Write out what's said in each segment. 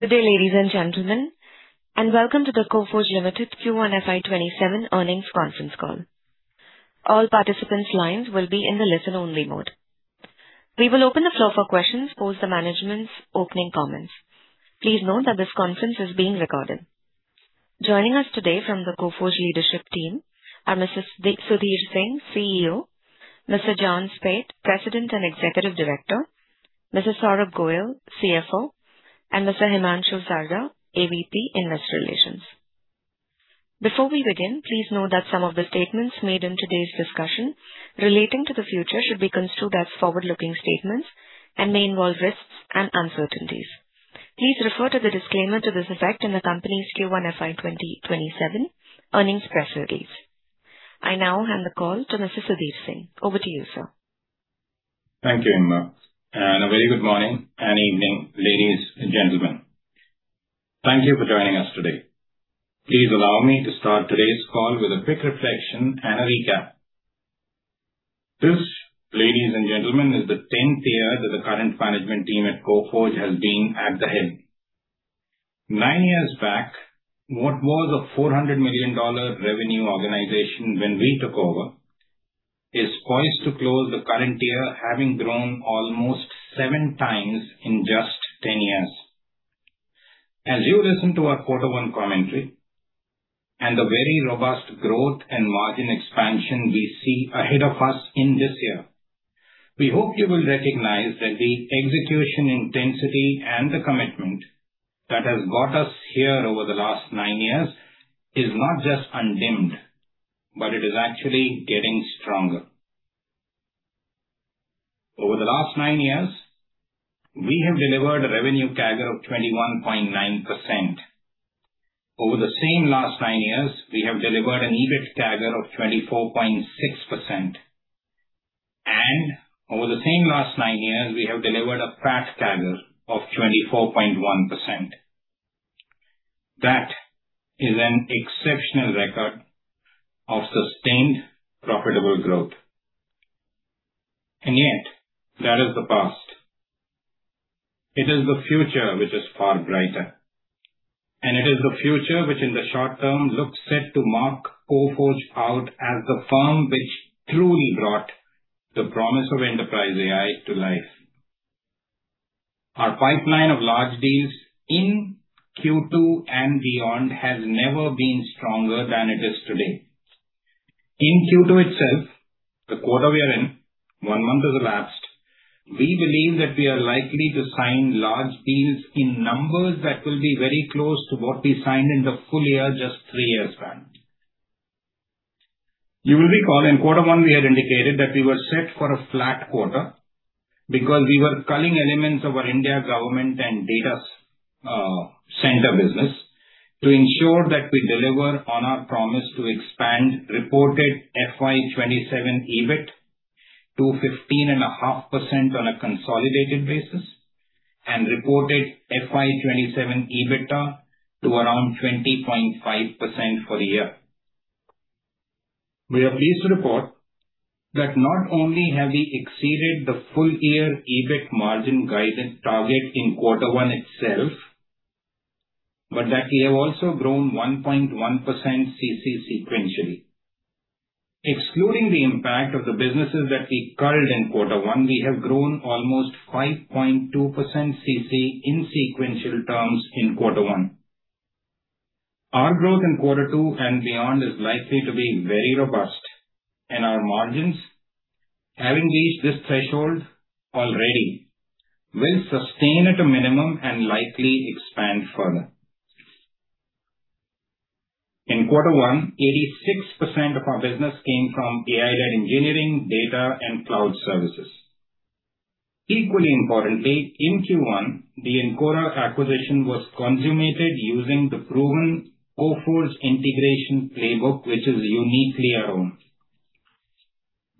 Good day, ladies and gentlemen, and welcome to the Coforge Limited Q1 FY 2027 earnings conference call. All participants' lines will be in the listen-only mode. We will open the floor for questions post the management's opening comments. Please note that this conference is being recorded. Joining us today from the Coforge leadership team are Mr. Sudhir Singh, CEO; Mr. John Speight, President and Executive Director; Mr. Saurabh Goel, CFO; and Mr. Himanshu Sarda, AVP, Investor Relations. Before we begin, please note that some of the statements made in today's discussion relating to the future should be construed as forward-looking statements and may involve risks and uncertainties. Please refer to the disclaimer to this effect in the company's Q1 FY 2027 earnings press release. I now hand the call to Mr. Sudhir Singh. Over to you, sir. Thank you, Amber, a very good morning and evening, ladies and gentlemen. Thank you for joining us today. Please allow me to start today's call with a quick reflection and a recap. This, ladies and gentlemen, is the 10th year that the current management team at Coforge has been at the helm. Nine years back, what was a $400 million revenue organization when we took over is poised to close the current year, having grown almost 7x in just 10 years. As you listen to our quarter one commentary and the very robust growth and margin expansion we see ahead of us in this year, we hope you will recognize that the execution intensity and the commitment that has got us here over the last nine years is not just undimmed, but it is actually getting stronger. Over the last nine years, we have delivered a revenue CAGR of 21.9%. Over the same last nine years, we have delivered an EBIT CAGR of 24.6%. Over the same last nine years, we have delivered a PAT CAGR of 24.1%. That is an exceptional record of sustained profitable growth. Yet that is the past. It is the future which is far brighter, and it is the future which in the short term looks set to mark Coforge out as the firm which truly brought the promise of enterprise AI to life. Our pipeline of large deals in Q2 and beyond has never been stronger than it is today. In Q2 itself, the quarter we are in, one month has elapsed. We believe that we are likely to sign large deals in numbers that will be very close to what we signed in the full year just three years back. You will recall in quarter one, we had indicated that we were set for a flat quarter because we were culling elements of our India government and data center business to ensure that we deliver on our promise to expand reported FY 2027 EBIT to 15.5% on a consolidated basis and reported FY 2027 EBITDA to around 20.5% for the year. We are pleased to report that not only have we exceeded the full year EBIT margin guidance target in quarter one itself, but that we have also grown 1.1% CC sequentially. Excluding the impact of the businesses that we culled in quarter one, we have grown almost 5.2% CC in sequential terms in quarter one. Our growth in quarter two and beyond is likely to be very robust, and our margins, having reached this threshold already, will sustain at a minimum and likely expand further. In quarter one, 86% of our business came from AI-led engineering, data, and cloud services. Equally importantly, in Q1, the Encora acquisition was consummated using the proven Coforge integration playbook, which is uniquely our own.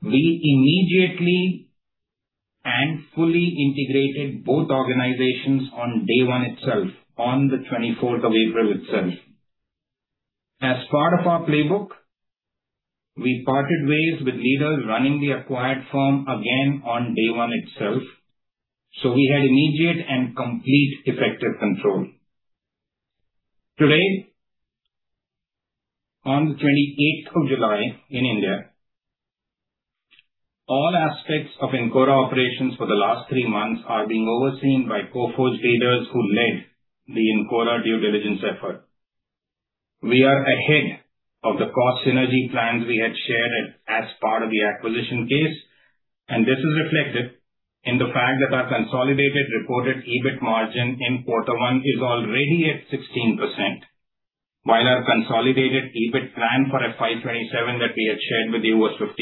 We immediately and fully integrated both organizations on day one itself, on the 24th of April itself. As part of our playbook, we parted ways with leaders running the acquired firm again on day one itself, so we had immediate and complete effective control. Today, on the 28th of July in India, all aspects of Encora operations for the last three months are being overseen by Coforge leaders who led the Encora due diligence effort. We are ahead of the cost synergy plans we have shared as part of the acquisition case. This is reflected in the fact that our consolidated reported EBIT margin in quarter one is already at 16%, while our consolidated EBIT plan for FY 2027 that we had shared with you was 15.5%.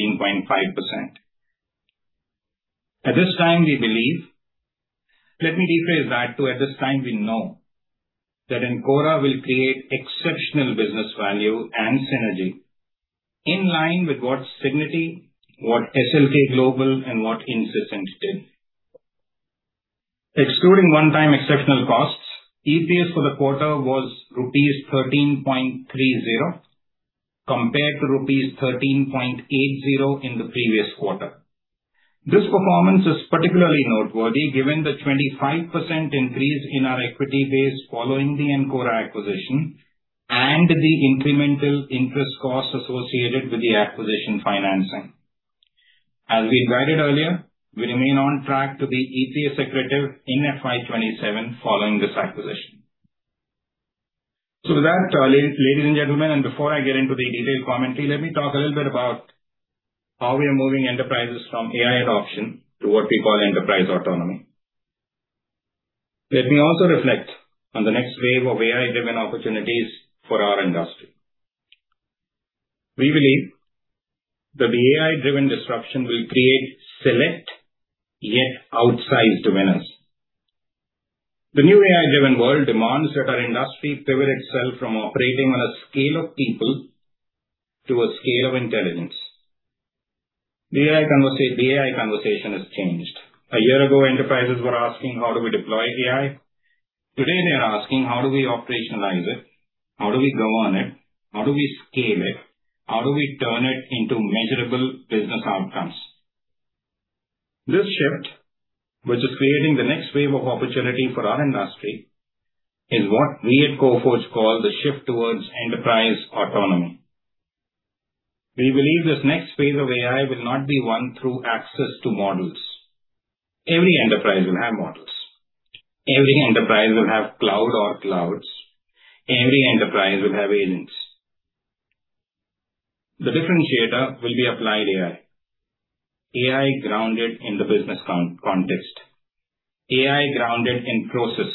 At this time, we believe-- Let me rephrase that to, at this time, we know that Encora will create exceptional business value and synergy in line with what Cigniti, what SLK Global and what Incessant did. Excluding one-time exceptional costs, EPS for the quarter was rupees 13.30 compared to rupees 13.80 in the previous quarter. This performance is particularly noteworthy given the 25% increase in our equity base following the Encora acquisition and the incremental interest costs associated with the acquisition financing. As we guided earlier, we remain on track to be EPS accretive in FY 2027 following this acquisition. With that, ladies and gentlemen, before I get into the detailed commentary, let me talk a little bit about how we are moving enterprises from AI adoption to what we call enterprise autonomy. Let me also reflect on the next wave of AI-driven opportunities for our industry. We believe that the AI-driven disruption will create select, yet outsized winners. The new AI-driven world demands that our industry pivot itself from operating on a scale of people to a scale of intelligence. The AI conversation has changed. A year ago, enterprises were asking: How do we deploy AI? Today, they are asking: How do we operationalize it? How do we govern it? How do we scale it? How do we turn it into measurable business outcomes? This shift, which is creating the next wave of opportunity for our industry, is what we at Coforge call the shift towards enterprise autonomy. We believe this next phase of AI will not be won through access to models. Every enterprise will have models. Every enterprise will have cloud or clouds. Every enterprise will have agents. The differentiator will be applied AI grounded in the business context, AI grounded in process,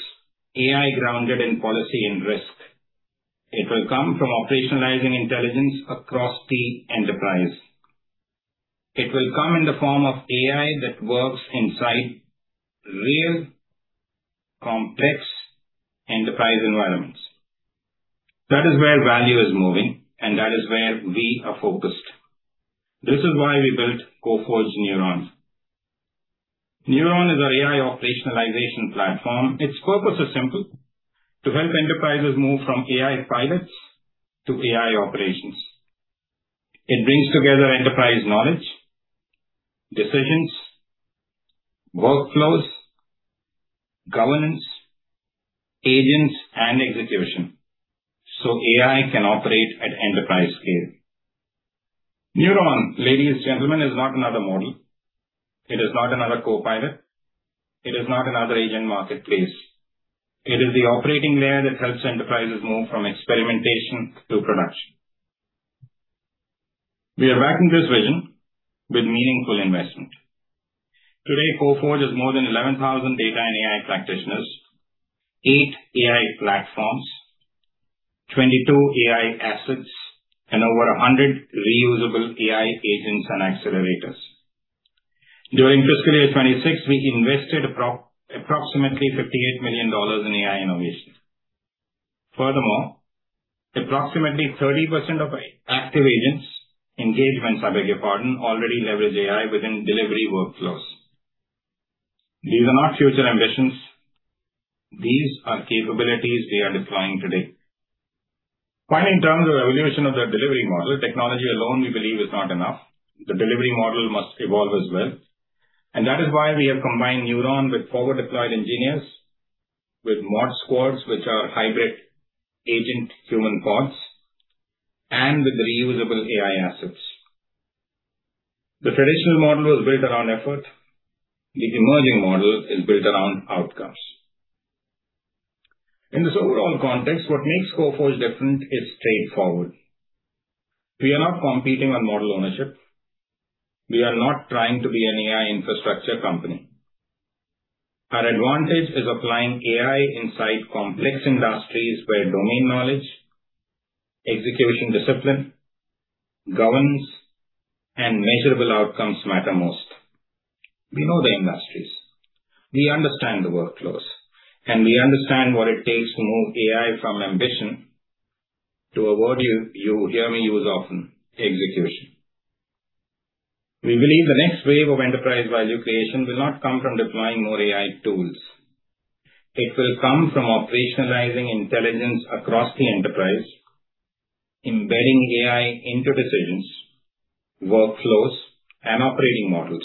AI grounded in policy and risk. It will come from operationalizing intelligence across the enterprise. It will come in the form of AI that works inside real complex enterprise environments. That is where value is moving, and that is where we are focused. This is why we built Coforge Nuuron. Nuuron is our AI operationalization platform. Its purpose is simple: to help enterprises move from AI pilots to AI operations. It brings together enterprise knowledge, decisions, workflows, governance, agents, and execution so AI can operate at enterprise scale. Nuuron, ladies and gentlemen, is not another model. It is not another copilot. It is not another agent marketplace. It is the operating layer that helps enterprises move from experimentation to production. We are backing this vision with meaningful investment. Today, Coforge has more than 11,000 data and AI practitioners, eight AI platforms, 22 AI assets, and over 100 reusable AI agents and accelerators. During fiscal year 2026, we invested approximately $58 million in AI innovation. Furthermore, approximately 30% of active engagements, I beg your pardon, already leverage AI within delivery workflows. These are not future ambitions. These are capabilities we are deploying today. In terms of evolution of the delivery model, technology alone, we believe, is not enough. The delivery model must evolve as well. That is why we have combined Nuuron with forward-deployed engineers, with Mod Squads, which are hybrid agent-human bots, and with reusable AI assets. The traditional model was built around effort. The emerging model is built around outcomes. In this overall context, what makes Coforge different is straightforward. We are not competing on model ownership. We are not trying to be an AI infrastructure company. Our advantage is applying AI inside complex industries where domain knowledge, execution discipline, governance, and measurable outcomes matter most. We know the industries, we understand the workflows, and we understand what it takes to move AI from ambition to a word you hear me use often, execution. We believe the next wave of enterprise value creation will not come from deploying more AI tools. It will come from operationalizing intelligence across the enterprise, embedding AI into decisions, workflows, and operating models,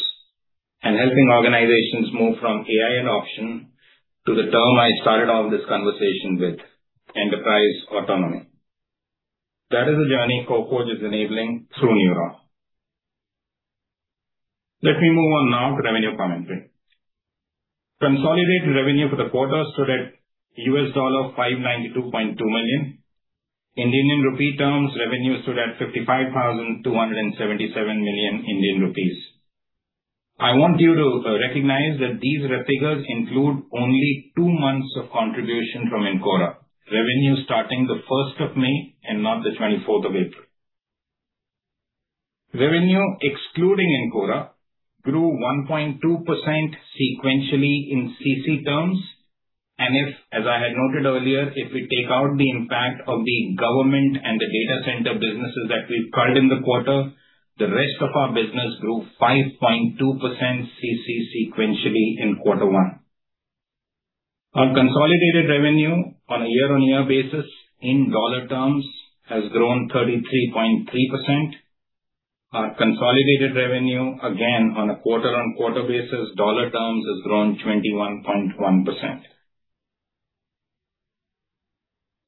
and helping organizations move from AI adoption to the term I started off this conversation with, enterprise autonomy. That is the journey Coforge is enabling through Nuuron. Let me move on now to revenue commentary. Consolidated revenue for the quarter stood at $592.2 million. In Indian rupee terms, revenue stood at 55,277 million Indian rupees. I want you to recognize that these figures include only two months of contribution from Encora, revenue starting the first of May and not the 24th of April. Revenue excluding Encora grew 1.2% sequentially in CC terms. If, as I had noted earlier, if we take out the impact of the government and the data center businesses that we've guided in the quarter, the rest of our business grew 5.2% CC sequentially in quarter one. Our consolidated revenue on a year-on-year basis in dollar terms has grown 33.3%. Our consolidated revenue, again on a quarter-on-quarter basis, dollar terms, has grown 21.1%.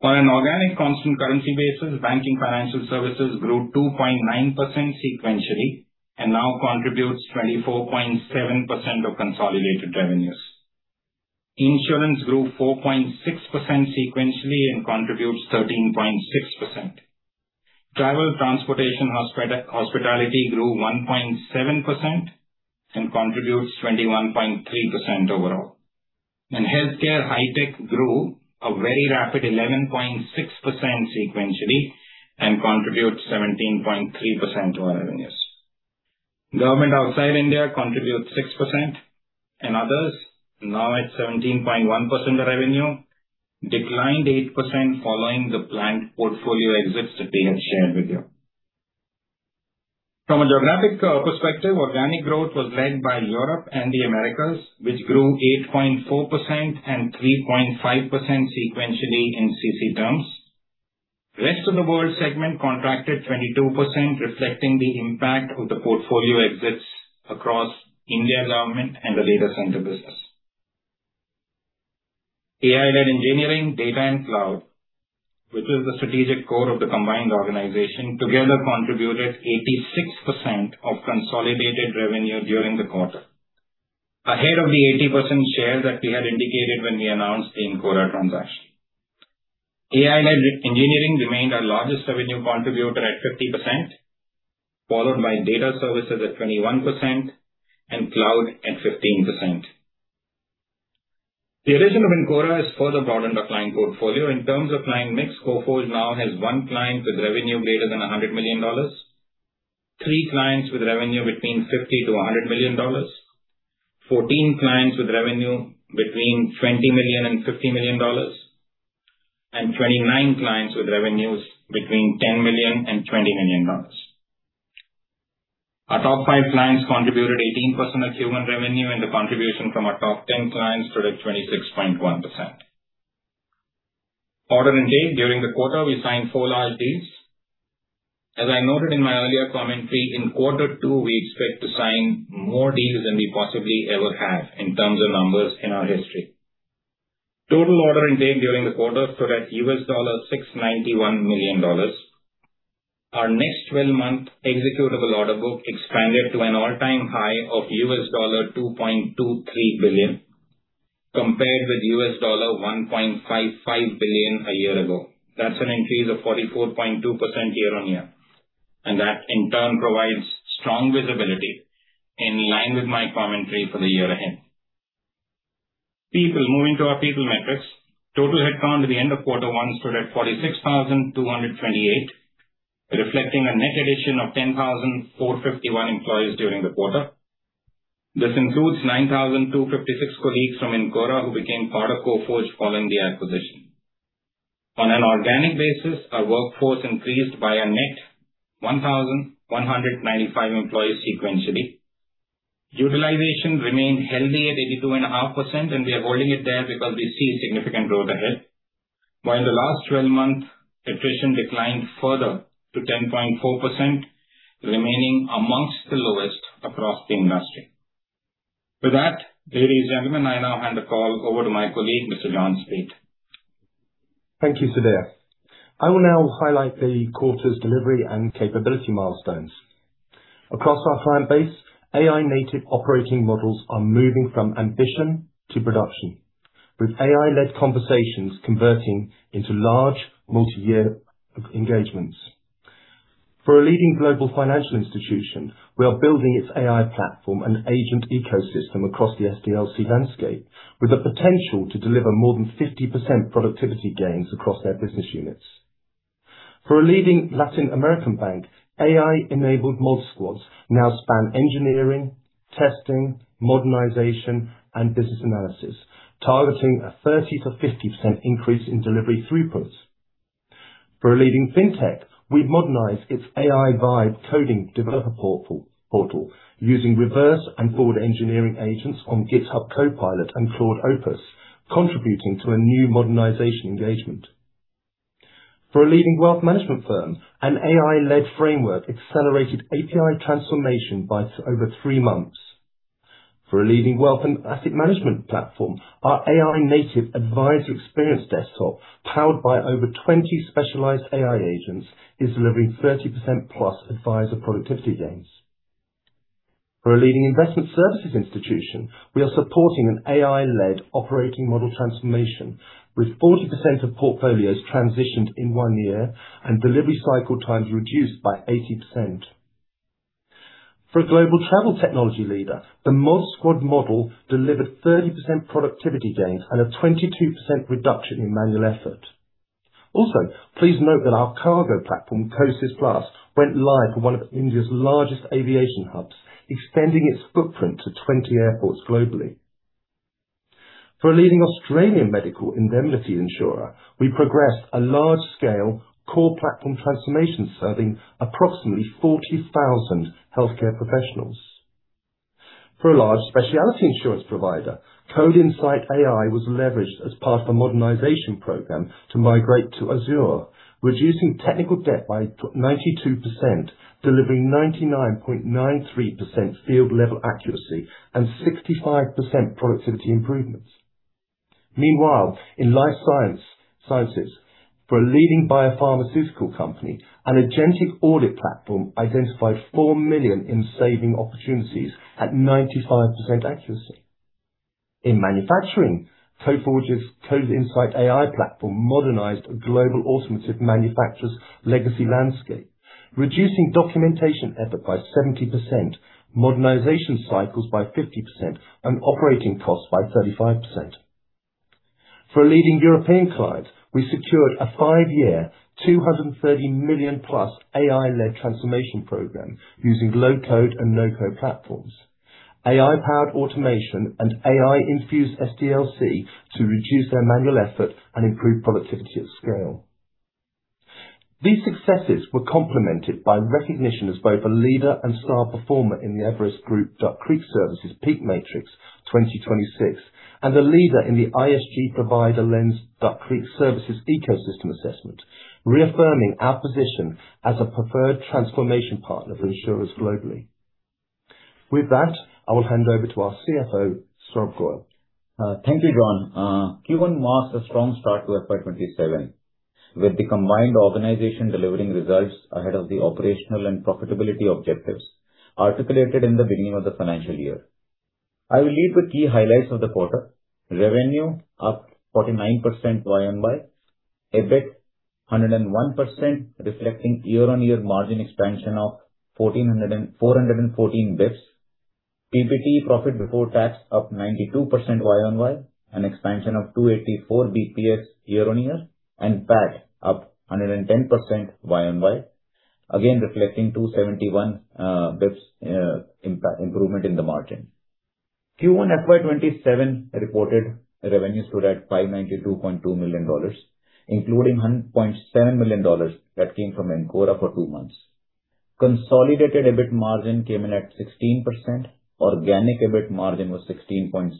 On an organic constant currency basis, banking financial services grew 2.9% sequentially and now contributes 24.7% of consolidated revenues. Insurance grew 4.6% sequentially and contributes 13.6%. Travel transportation hospitality grew 1.7% and contributes 21.3% overall. Healthcare high tech grew a very rapid 11.6% sequentially and contributes 17.3% to our revenues. Government outside India contributes 6% and others, now at 17.1% of revenue, declined 8% following the planned portfolio exits that we have shared with you. From a geographic perspective, organic growth was led by Europe and the Americas, which grew 8.4% and 3.5% sequentially in CC terms. Rest of the world segment contracted 22%, reflecting the impact of the portfolio exits across India Government and the data center business. AI-led engineering data and cloud, which is the strategic core of the combined organization, together contributed 86% of consolidated revenue during the quarter, ahead of the 80% share that we had indicated when we announced the Encora transaction. AI-led engineering remained our largest revenue contributor at 50%, followed by data services at 21% and cloud at 15%. The addition of Encora has further broadened our client portfolio. In terms of client mix, Coforge now has one client with revenue greater than $100 million, three clients with revenue between $50 million-$100 million, 14 clients with revenue between $20 million-$50 million, and 29 clients with revenues between $10 million-$20 million. Our top five clients contributed 18% of Q1 revenue, and the contribution from our top 10 clients stood at 26.1%. Order intake. During the quarter, we signed four large deals. As I noted in my earlier commentary, in quarter two, we expect to sign more deals than we possibly ever have in terms of numbers in our history. Total order intake during the quarter stood at $691 million. Our next 12-month executable order book expanded to an all-time high of $2.23 billion compared with $1.55 billion a year ago. That's an increase of 44.2% year-on-year, and that in turn provides strong visibility in line with my commentary for the year ahead. People. Moving to our people metrics. Total headcount at the end of quarter one stood at 46,228, reflecting a net addition of 10,451 employees during the quarter. This includes 9,256 colleagues from Encora who became part of Coforge following the acquisition. On an organic basis, our workforce increased by a net 1,195 employees sequentially. Utilization remained healthy at 82.5%, and we are holding it there because we see significant growth ahead. While in the last 12 months, attrition declined further to 10.4%, remaining amongst the lowest across the industry. With that, ladies and gentlemen, I now hand the call over to my colleague, Mr. John Speight. Thank you, Sudhir. I will now highlight the quarter's delivery and capability milestones. Across our client base, AI native operating models are moving from ambition to production, with AI-led conversations converting into large multi-year engagements. For a leading global financial institution, we are building its AI platform, an agent ecosystem across the SDLC landscape with the potential to deliver more than 50% productivity gains across their business units. For a leading Latin American bank, AI-enabled Mod Squads now span engineering, testing, modernization, and business analysis, targeting a 30%-50% increase in delivery throughput. For a leading fintech, we've modernized its AI vibe coding developer portal using reverse and forward engineering agents on GitHub Copilot and Claude Opus, contributing to a new modernization engagement. For a leading wealth management firm, an AI-led framework accelerated API transformation by over three months. For a leading wealth and asset management platform, our AI-native advisor experience desktop, powered by over 20 specialized AI agents, is delivering 30%+ advisor productivity gains. For a leading investment services institution, we are supporting an AI-led operating model transformation with 40% of portfolios transitioned in one year and delivery cycle times reduced by 80%. For a global travel technology leader, the Mod Squad model delivered 30% productivity gains and a 22% reduction in manual effort. Also, please note that our cargo platform, COSYS+, went live in one of India's largest aviation hubs, extending its footprint to 20 airports globally. For a leading Australian medical indemnity insurer, we progressed a large-scale core platform transformation serving approximately 40,000 healthcare professionals. For a large specialty insurance provider, CodeInsight.AI was leveraged as part of a modernization program to migrate to Azure, reducing technical debt by 92%, delivering 99.93% field level accuracy and 65% productivity improvements. Meanwhile, in life sciences, for a leading biopharmaceutical company, an agentic audit platform identified $4 million in saving opportunities at 95% accuracy. In manufacturing, Coforge's CodeInsight.AI platform modernized a global automotive manufacturer's legacy landscape, reducing documentation effort by 70%, modernization cycles by 50%, and operating costs by 35%. For a leading European client, we secured a five-year, $230+ million AI-led transformation program using low-code and no-code platforms, AI-powered automation and AI-infused SDLC to reduce their manual effort and improve productivity at scale. These successes were complemented by recognition as both a leader and star performer in the Everest Group Duck Creek Services PEAK Matrix 2026 and a leader in the ISG Provider Lens Duck Creek Services Ecosystem Assessment, reaffirming our position as a preferred transformation partner for insurers globally. With that, I will hand over to our CFO, Saurabh Goel. Thank you, John. Q1 marked a strong start to FY 2027, with the combined organization delivering results ahead of the operational and profitability objectives articulated in the beginning of the financial year. I will lead with key highlights of the quarter. Revenue up 49% YoY. EBIT 101%, reflecting year-on-year margin expansion of 414 basis points. PBT, profit before tax, up 92% YoY, an expansion of 284 basis points year-on-year and PAT up 110% YoY. Again, reflecting 271 basis points improvement in the margin. Q1 FY 2027 reported revenues stood at $592.2 million, including $100.7 million that came from Encora for two months. Consolidated EBIT margin came in at 16%. Organic EBIT margin was 16.7%.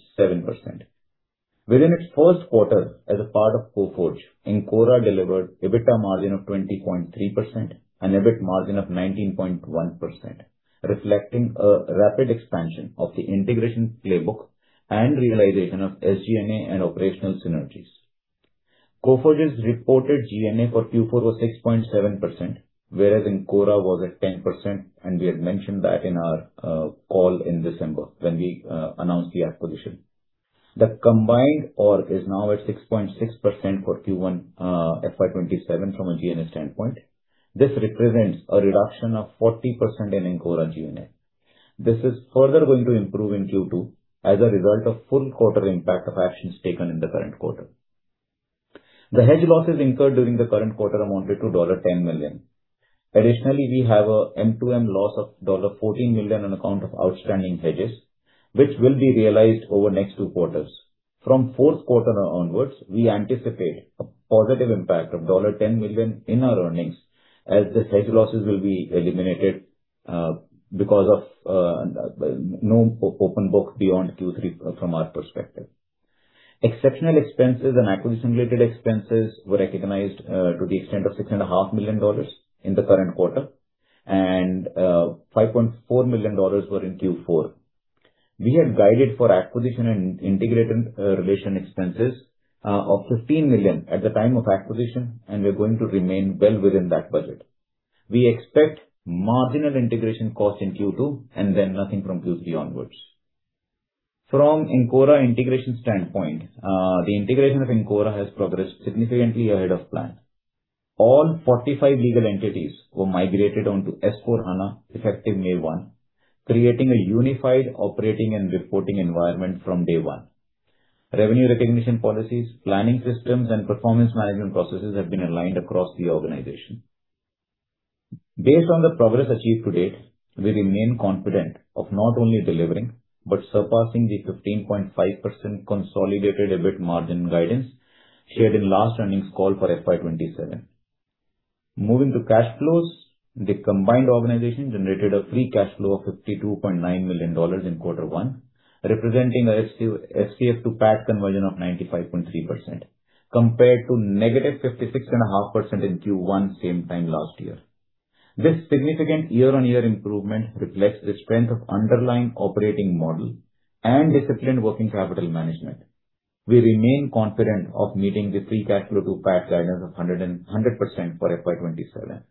Within its first quarter as a part of Coforge, Encora delivered EBITDA margin of 20.3% and EBIT margin of 19.1%, reflecting a rapid expansion of the integration playbook and realization of SG&A and operational synergies. Coforge's reported G&A for Q4 was 6.7%, whereas Encora was at 10%, and we had mentioned that in our call in December when we announced the acquisition. The combined is now at 6.6% for Q1 FY 2027 from a G&A standpoint. This represents a reduction of 40% in Encora G&A. This is further going to improve in Q2 as a result of full quarter impact of actions taken in the current quarter. The hedge losses incurred during the current quarter amounted to $10 million. Additionally, we have a M2M loss of $14 million on account of outstanding hedges, which will be realized over the next two quarters. From fourth quarter onwards, we anticipate a positive impact of $10 million in our earnings as the hedge losses will be eliminated because of no open book beyond Q3 from our perspective. Exceptional expenses and acquisition-related expenses were recognized to the extent of $6.5 million in the current quarter, and $5.4 million were in Q4. We had guided for acquisition and integration expenses of $15 million at the time of acquisition, and we're going to remain well within that budget. We expect marginal integration costs in Q2 and then nothing from Q3 onwards. From Encora integration standpoint, the integration of Encora has progressed significantly ahead of plan. All 45 legal entities were migrated onto S/4HANA effective May 1, creating a unified operating and reporting environment from day one. Revenue recognition policies, planning systems, and performance management processes have been aligned across the organization. Based on the progress achieved to date, we remain confident of not only delivering but surpassing the 15.5% consolidated EBIT margin guidance shared in last earnings call for FY 2027. Moving to cash flows. The combined organization generated a free cash flow of $52.9 million in quarter one, representing an FCF to PAT conversion of 95.3%, compared to negative 56.5% in Q1 same time last year. This significant year-on-year improvement reflects the strength of underlying operating model and disciplined working capital management. We remain confident of meeting the free cash flow to PAT guidance of 100% for FY 2027.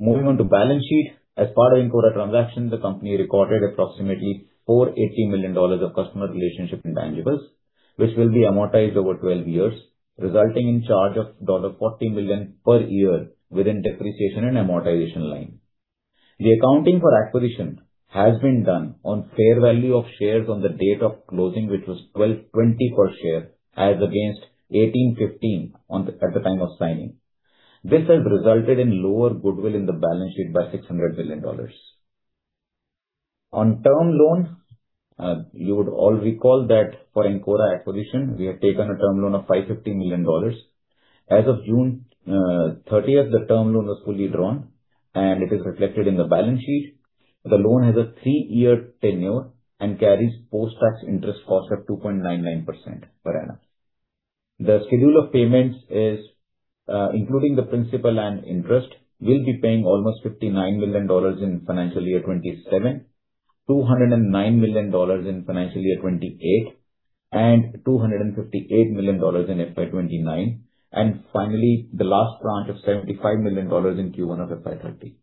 Moving on to balance sheet. As part of Encora transaction, the company recorded approximately $418 million of customer relationship intangibles, which will be amortized over 12 years, resulting in charge of $40 million per year within depreciation and amortization line. The accounting for acquisition has been done on fair value of shares on the date of closing, which was 12.20 per share as against 18.15 at the time of signing. This has resulted in lower goodwill in the balance sheet by $600 million. On term loans, you would all recall that for Encora acquisition, we have taken a term loan of $550 million. As of June 30th, the term loan was fully drawn and it is reflected in the balance sheet. The loan has a three-year tenure and carries post-tax interest costs of 2.99% per annum. The schedule of payments is, including the principal and interest, we'll be paying almost $59 million in financial year 2027, $209 million in financial year 2028, and $258 million in FY 2029. Finally, the last tranche of $75 million in Q1 of FY 2030.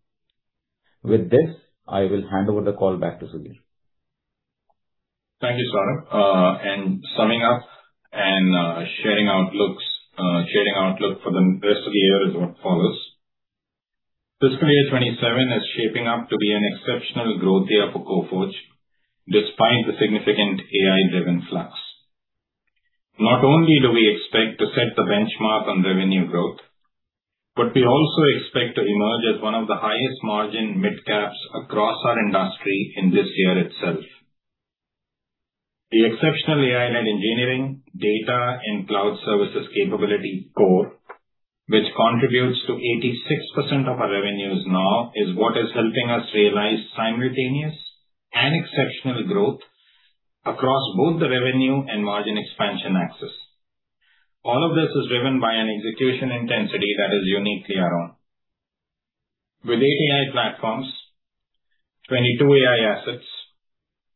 With this, I will hand over the call back to Sudhir. Thank you, Saurabh. Summing up and sharing outlook for the rest of the year is what follows. Fiscal year 2027 is shaping up to be an exceptional growth year for Coforge, despite the significant AI-driven flux. Not only do we expect to set the benchmark on revenue growth, but we also expect to emerge as one of the highest margin midcaps across our industry in this year itself. The exceptional AI-led engineering data and cloud services capability core, which contributes to 86% of our revenues now, is what is helping us realize simultaneous and exceptional growth across both the revenue and margin expansion axis. All of this is driven by an execution intensity that is uniquely our own. With eight AI platforms, 22 AI assets,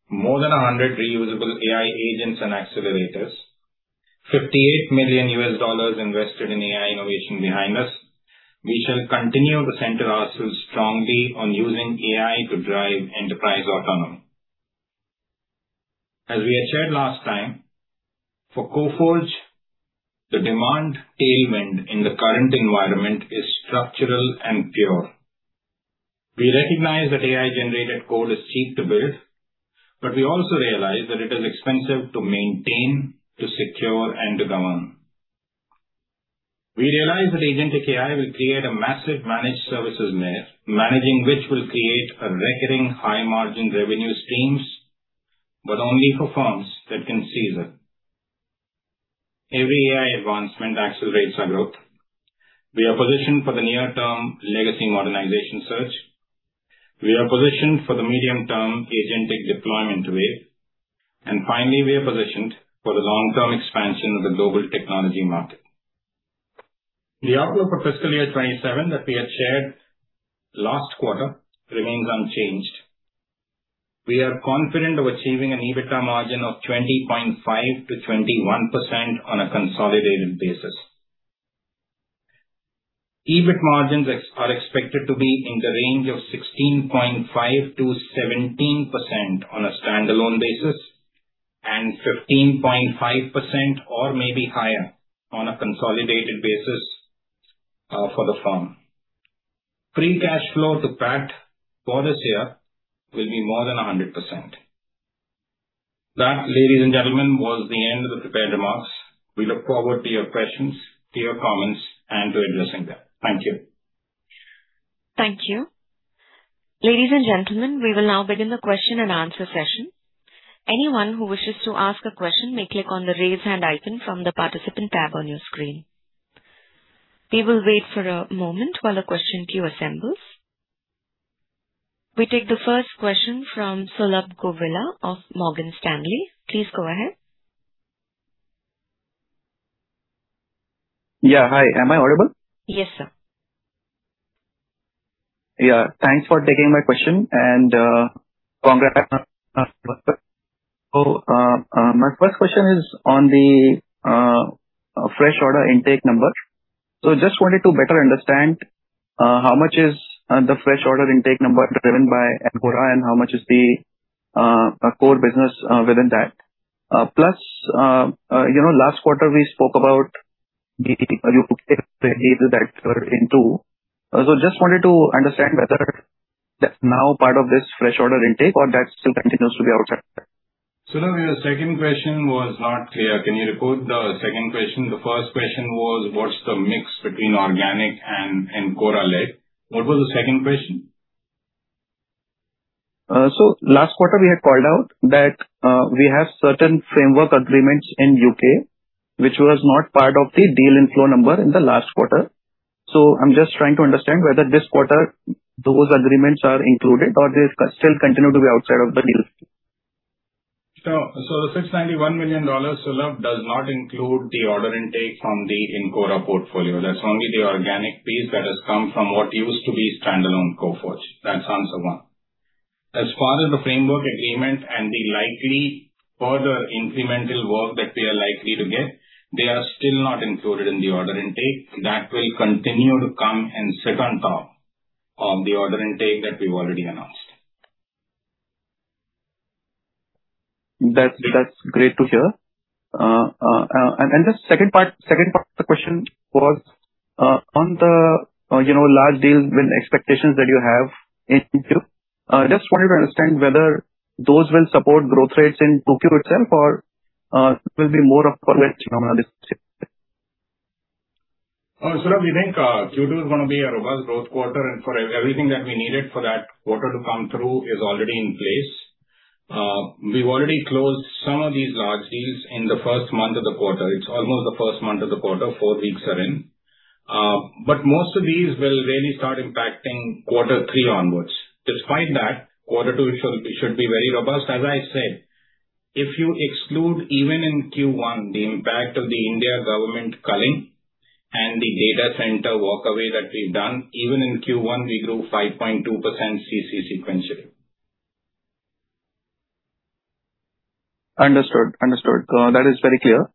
more than 100 reusable AI agents and accelerators, $58 million invested in AI innovation behind us, we shall continue to center ourselves strongly on using AI to drive enterprise autonomy. As we had shared last time, for Coforge, the demand tailwind in the current environment is structural and pure. We recognize that AI-generated code is cheap to build, but we also realize that it is expensive to maintain, to secure, and to govern. We realize that agentic AI will create a massive managed services net, managing which will create recurring high-margin revenue streams, but only for firms that can seize it. Every AI advancement accelerates our growth. We are positioned for the near-term legacy modernization search. We are positioned for the medium-term agentic deployment wave. Finally, we are positioned for the long-term expansion of the global technology market. The outlook for fiscal year 2027 that we had shared last quarter remains unchanged. We are confident of achieving an EBITDA margin of 20.5%-21% on a consolidated basis. EBIT margins are expected to be in the range of 16.5%-17% on a standalone basis, and 15.5% or maybe higher on a consolidated basis for the firm. Free cash flow to PAT for this year will be more than 100%. That, ladies and gentlemen, was the end of the prepared remarks. We look forward to your questions, to your comments, and to addressing them. Thank you. Thank you. Ladies and gentlemen, we will now begin the question and answer session. Anyone who wishes to ask a question may click on the raise hand icon from the participant tab on your screen. We will wait for a moment while the question queue assembles. We take the first question from Sulabh Govila of Morgan Stanley. Please go ahead. Yeah. Hi. Am I audible? Yes, sir. Yeah. Thanks for taking my question and congrats. My first question is on the fresh order intake number. Just wanted to better understand how much is the fresh order intake number driven by Encora and how much is the core business within that. Last quarter we spoke about the [inaudible] that were in too. Just wanted to understand whether that's now part of this fresh order intake or that still continues to be outside. Sulabh, your second question was not clear. Can you repeat the second question? The first question was, what's the mix between organic and Encora-led. What was the second question? Last quarter we had called out that we have certain framework agreements in U.K., which was not part of the deal inflow number in the last quarter. I'm just trying to understand whether this quarter those agreements are included or they still continue to be outside of the deal. The $691 million, Sulabh, does not include the order intake from the Encora portfolio. That's only the organic piece that has come from what used to be standalone Coforge. That's answer one. As far as the framework agreement and the likely further incremental work that we are likely to get, they are still not included in the order intake. That will continue to come and sit on top of the order intake that we've already announced. That's great to hear. The second part of the question was on the large deals win expectations that you have in 2Q. I just wanted to understand whether those will support growth rates in this quarter itself or will be more of a phenomenon this year Oh, Saurabh, we think Q2 is going to be a robust growth quarter, everything that we needed for that quarter to come through is already in place. We've already closed some of these large deals in the first month of the quarter. It's almost the first month of the quarter, four weeks are in. Most of these will really start impacting quarter three onwards. Despite that, quarter two should be very robust. As I said, if you exclude even in Q1 the impact of the India government culling and the data center walkaway that we've done, even in Q1, we grew 5.2% CC sequentially. Understood. That is very clear.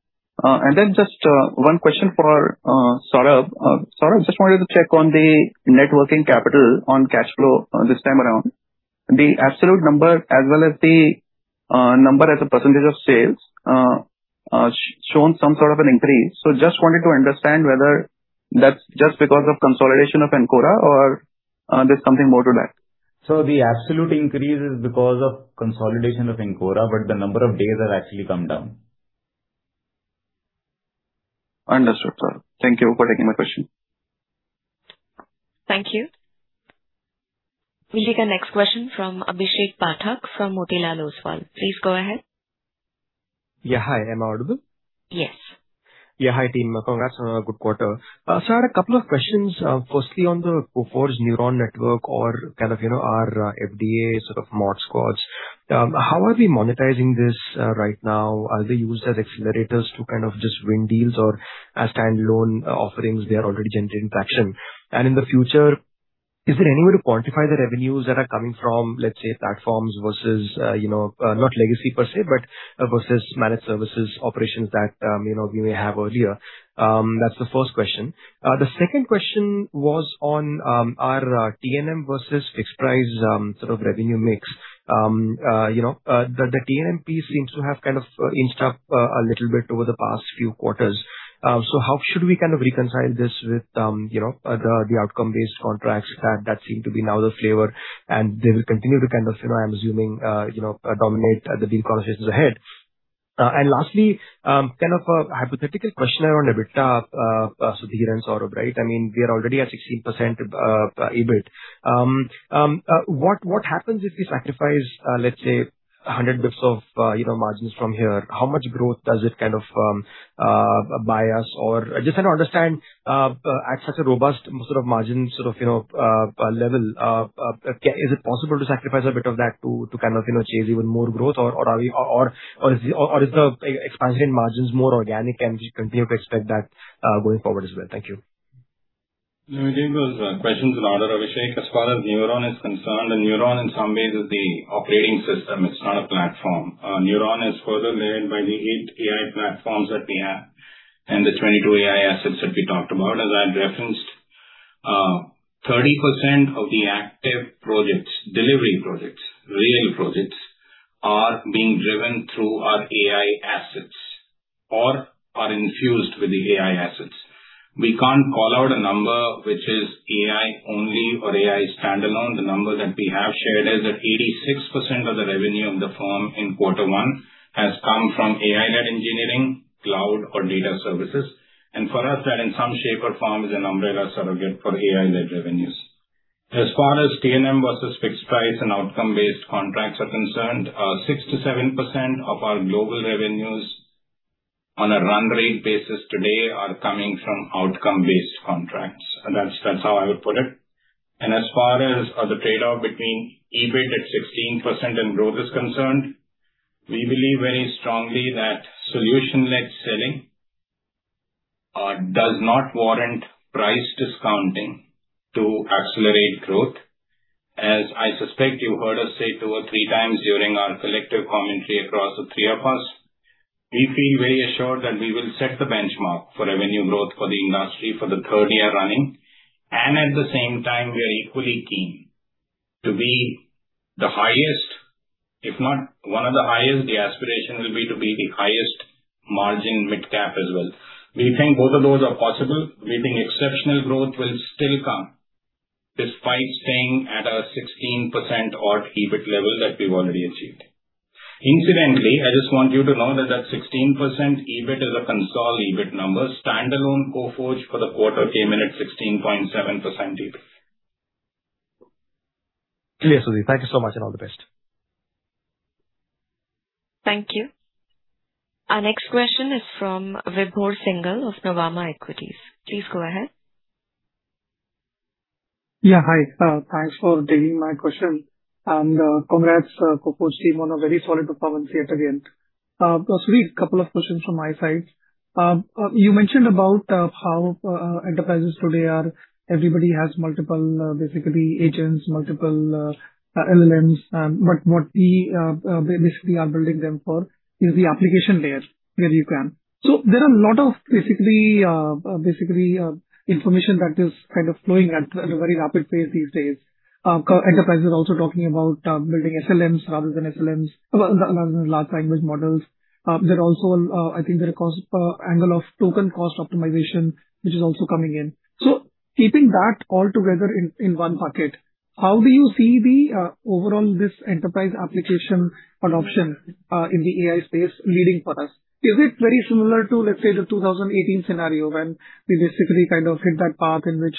Just one question for Saurabh. Saurabh, just wanted to check on the net working capital on cash flow this time around. The absolute number as well as the number as a percentage of sales has shown some sort of an increase. Just wanted to understand whether that's just because of consolidation of Encora or there's something more to that. The absolute increase is because of consolidation of Encora, the number of days has actually come down. Understood, sir. Thank you for taking my question. Thank you. We'll take our next question from Abhishek Pathak, from Motilal Oswal. Please go ahead. Yeah. Hi. Am I audible? Yes. Yeah. Hi, team. Congrats on a good quarter. Sir, a couple of questions. Firstly, on the Coforge Nuuron network or kind of our FDE sort of Mod Squads. How are we monetizing this right now? Are they used as accelerators to kind of just win deals or as stand-alone offerings they are already generating traction? In the future, is there any way to quantify the revenues that are coming from, let's say, platforms versus, not legacy per se, but versus managed services operations that we may have earlier? That's the first question. The second question was on our T&M versus fixed price sort of revenue mix. The T&M piece seems to have kind of inched up a little bit over the past few quarters. How should we kind of reconcile this with the outcome-based contracts that seem to be now the flavor and they will continue to kind of, I'm assuming, dominate the deal conversations ahead. Lastly, kind of a hypothetical question around EBITDA, Sudhir and Saurabh. I mean, we are already at 16% EBIT. What happens if we sacrifice, let's say, 100 basis points of margins from here? How much growth does it kind of buy us? Or just trying to understand at such a robust sort of margin level, is it possible to sacrifice a bit of that to chase even more growth? Or is the expansion in margins more organic, and we continue to expect that going forward as well? Thank you. Let me take those questions in order, Abhishek. As far as Nuuron is concerned, Nuuron in some ways is the operating system. It's not a platform. Nuuron is further layered by the eight AI platforms that we have and the 22 AI assets that we talked about. As I had referenced, 30% of the active projects, delivery projects, real projects, are being driven through our AI assets or are infused with the AI assets. We can't call out a number which is AI-only or AI-standalone. The number that we have shared is that 86% of the revenue of the firm in quarter one has come from AI-led engineering, cloud or data services. For us, that in some shape or form is an umbrella surrogate for AI-led revenues. As far as T&M versus fixed price and outcome-based contracts are concerned, 6%-7% of our global revenues on a run rate basis today are coming from outcome-based contracts. That's how I would put it. As far as the trade-off between EBIT at 16% and growth is concerned, we believe very strongly that solution-led selling does not warrant price discounting to accelerate growth. As I suspect you heard us say two or three times during our collective commentary across the three of us, we feel very assured that we will set the benchmark for revenue growth for the industry for the third year running. At the same time, we are equally keen to be the highest, if not one of the highest. The aspiration will be to be the highest margin midcap as well. We think both of those are possible. We think exceptional growth will still come despite staying at a 16%-odd EBIT level that we've already achieved. Incidentally, I just want you to know that that 16% EBIT is a consolidated EBIT number. Standalone Coforge for the quarter came in at 16.7% EBIT. Clear, Sudhir. Thank you so much and all the best. Thank you. Our next question is from Vibhor Singhal of Nuvama Equities. Please go ahead. Yeah. Hi. Thanks for taking my question. Congrats, Coforge team on a very solid performance yet again. Sudhir, a couple of questions from my side. You mentioned about how enterprises today everybody has multiple agents, multiple LLMs, but what we basically are building them for is the application layer where you can. There are a lot of information that is kind of flowing at a very rapid pace these days. Enterprises are also talking about building SLMs rather than LLMs, large language models. I think there are cost angle of token cost optimization, which is also coming in. Keeping that all together in one bucket, how do you see overall this enterprise application adoption in the AI space leading for us? Is it very similar to, let's say, the 2018 scenario when we hit that path in which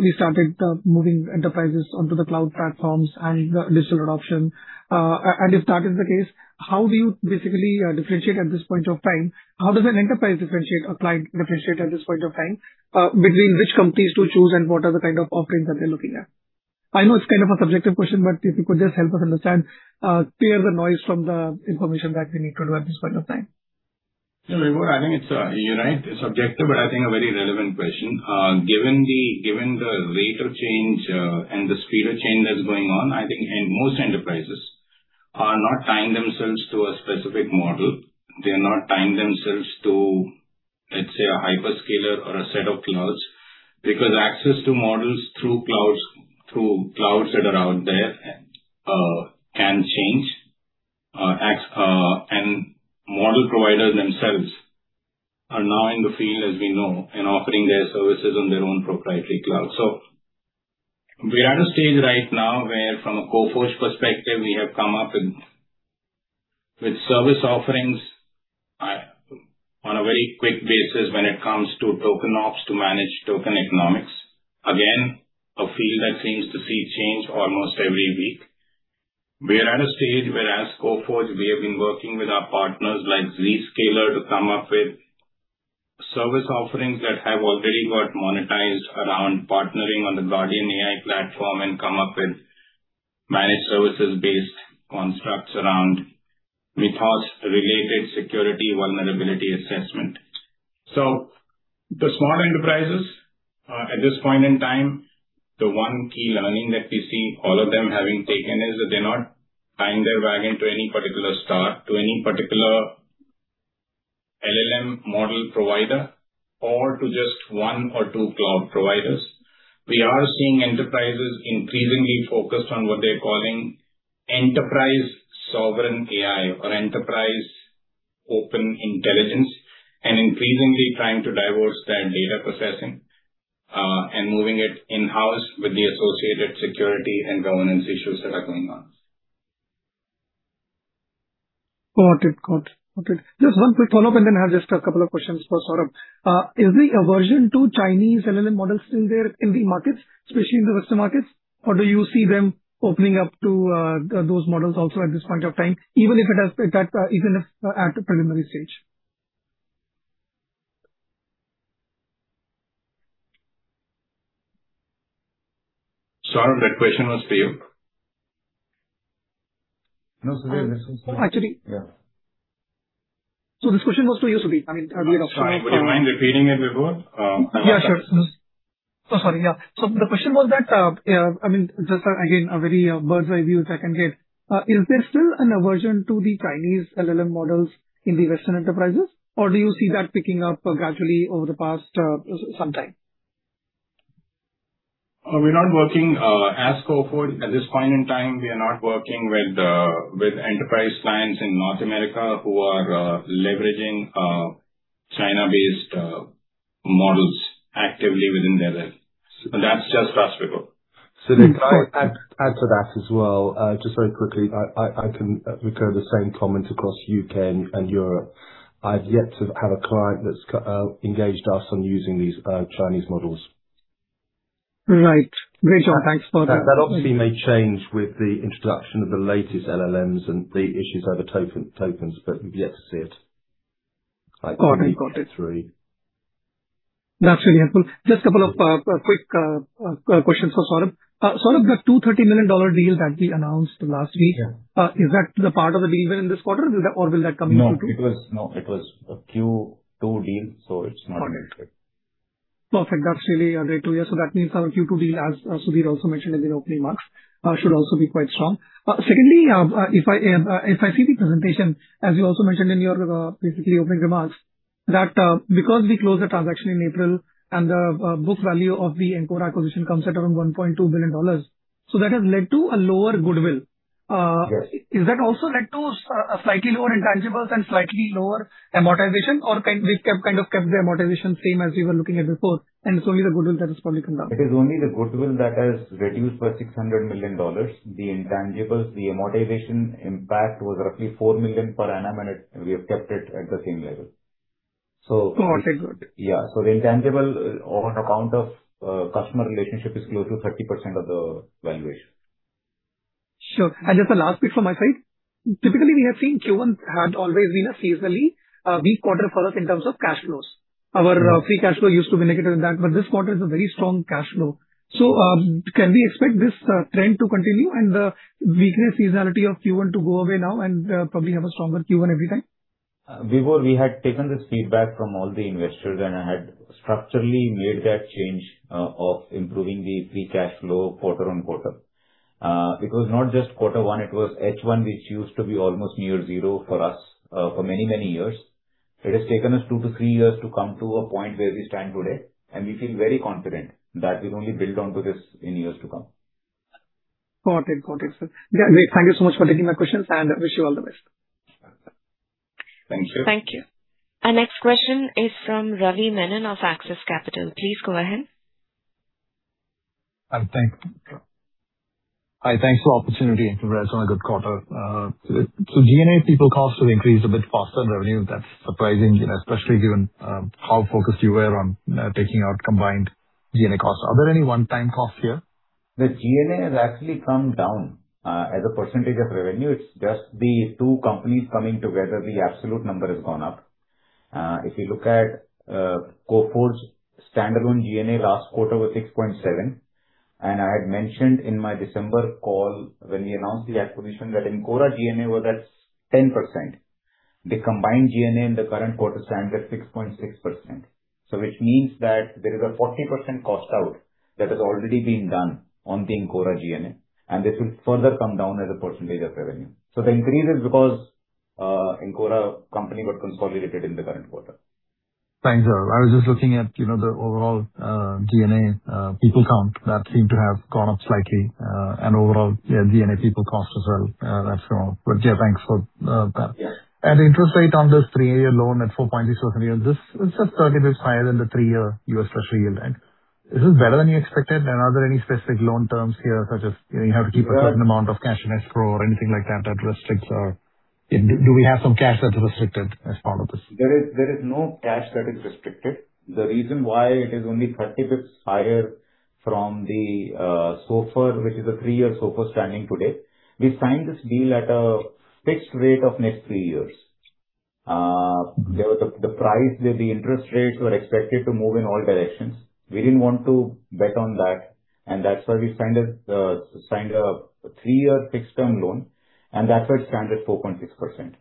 we started moving enterprises onto the cloud platforms and digital adoption? If that is the case, how do you differentiate at this point of time? How does an enterprise differentiate a client, differentiate at this point of time between which companies to choose and what are the kind of offerings that they're looking at? I know it's kind of a subjective question, but if you could just help us understand, clear the noise from the information that we need to know at this point of time. No, Vibhor, I think it's, you're right, it's subjective, but I think a very relevant question. Given the rate of change and the speed of change that's going on, I think most enterprises are not tying themselves to a specific model. They are not tying themselves to, let's say, a hyperscaler or a set of clouds, because access to models through clouds that are out there can change. Model providers themselves are now in the field, as we know, and offering their services on their own proprietary cloud. We are at a stage right now where from a Coforge perspective, we have come up with service offerings on a very quick basis when it comes to token ops to manage token economics. Again, a field that seems to see change almost every week. We are at a stage where as Coforge, we have been working with our partners like Zscaler to come up with service offerings that have already got monetized around partnering on the Guardian AI platform and come up with managed services-based constructs around Mythos-related security vulnerability assessment. The smaller enterprises, at this point in time, the one key learning that we see all of them having taken is that they're not tying their wagon to any particular star, to any particular LLM model provider, or to just one or two cloud providers. We are seeing enterprises increasingly focused on what they're calling enterprise sovereign AI or enterprise open intelligence, and increasingly trying to diversify that data processing, and moving it in-house with the associated security and governance issues that are going on. Got it. Just one quick follow-up, and then I have just a couple of questions for Saurabh. Is the aversion to Chinese LLM models still there in the markets, especially in the Western markets? Or do you see them opening up to those models also at this point of time, even if at a preliminary stage? Saurabh, that question was for you. No, Sudhir, this is for- Actually- Yeah. This question was for you, Sudhir. I mean. Would you mind repeating it, Vibhor? Yeah, sure. So sorry. Yeah. The question was that, just again, a very bird's-eye view that I can get. Is there still an aversion to the Chinese LLM models in the Western enterprises, or do you see that picking up gradually over the past some time? We're not working as Coforge at this point in time. We are not working with enterprise clients in North America who are leveraging China-based models actively within their realm. That's just us, Vibhor. Sudhir, can I add to that as well, just very quickly? I can recur the same comment across U.K. and Europe. I've yet to have a client that's engaged us on using these Chinese models. Right. Great. Thanks for that. That obviously may change with the introduction of the latest LLMs and the issues over tokens, but we've yet to see it. Got it. That's really helpful. Just a couple of quick questions for Saurabh. Saurabh, that $230 million deal that we announced last week- Yeah. Is that the part of the deal win in this quarter or will that come into Q2? No, it was a Q2 deal, so it's not in it. Perfect. That's really great to hear. That means our Q2 deal, as Sudhir also mentioned in the opening remarks, should also be quite strong. Secondly, if I see the presentation, as you also mentioned in your opening remarks, that because we closed the transaction in April and the book value of the Encora acquisition comes at around $1.2 billion, that has led to a lower goodwill. Yes. Is that also led to slightly lower intangibles and slightly lower amortization, or we kind of kept the amortization same as we were looking at before, and it's only the goodwill that has probably come down? It is only the goodwill that has reduced by $600 million. The intangibles, the amortization impact was roughly $4 million per annum, and we have kept it at the same level. Got it. Good. Yeah. The intangible on account of customer relationship is close to 30% of the valuation. Sure. Just the last bit from my side. Typically, we have seen Q1 had always been a seasonally weak quarter for us in terms of cash flows. Our free cash flow used to be negative in that, this quarter is a very strong cash flow. Can we expect this trend to continue and the weaker seasonality of Q1 to go away now and probably have a stronger Q1 every time? Vibhor, we had taken this feedback from all the investors. I had structurally made that change of improving the free cash flow quarter-on-quarter. It was not just quarter one, it was H1, which used to be almost near zero for us for many, many years. It has taken us two to three years to come to a point where we stand today. We feel very confident that we'll only build on to this in years to come. Got it. Sir. Great. Thank you so much for taking my questions. Wish you all the best. Thank you. Thank you. Our next question is from Ravi Menon of Axis Capital. Please go ahead. Hi. Thanks for the opportunity. Congrats on a good quarter. G&A people costs have increased a bit faster than revenue. That's surprising, especially given how focused you were on taking out combined G&A costs. Are there any one-time costs here? The G&A has actually come down as a percentage of revenue. It's just the two companies coming together, the absolute number has gone up. If you look at Coforge's standalone G&A last quarter was 6.7%, and I had mentioned in my December call when we announced the acquisition that Encora G&A was at 10%. The combined G&A in the current quarter stands at 6.6%, which means that there is a 40% cost out that has already been done on the Encora G&A, and this will further come down as a percentage of revenue. The increase is because Encora company got consolidated in the current quarter. Thanks. I was just looking at the overall G&A people count that seemed to have gone up slightly and overall G&A people cost as well. That's all. Yeah, thanks for that. Yeah. The interest rate on this three-year loan at 4.6% a year. This is just 30 basis points higher than the three-year U.S. Treasury yield. Is this better than you expected? Are there any specific loan terms here, such as you have to keep a certain amount of cash in escrow or anything like that restricts or do we have some cash that's restricted as part of this? There is no cash that is restricted. The reason why it is only 30 basis points higher from the SOFR, which is a three-year SOFR standing today. We signed this deal at a fixed rate of next three years. The price, the interest rates were expected to move in all directions. We didn't want to bet on that, and that's why we signed a three-year fixed term loan, and that's why it stands at 4.6%.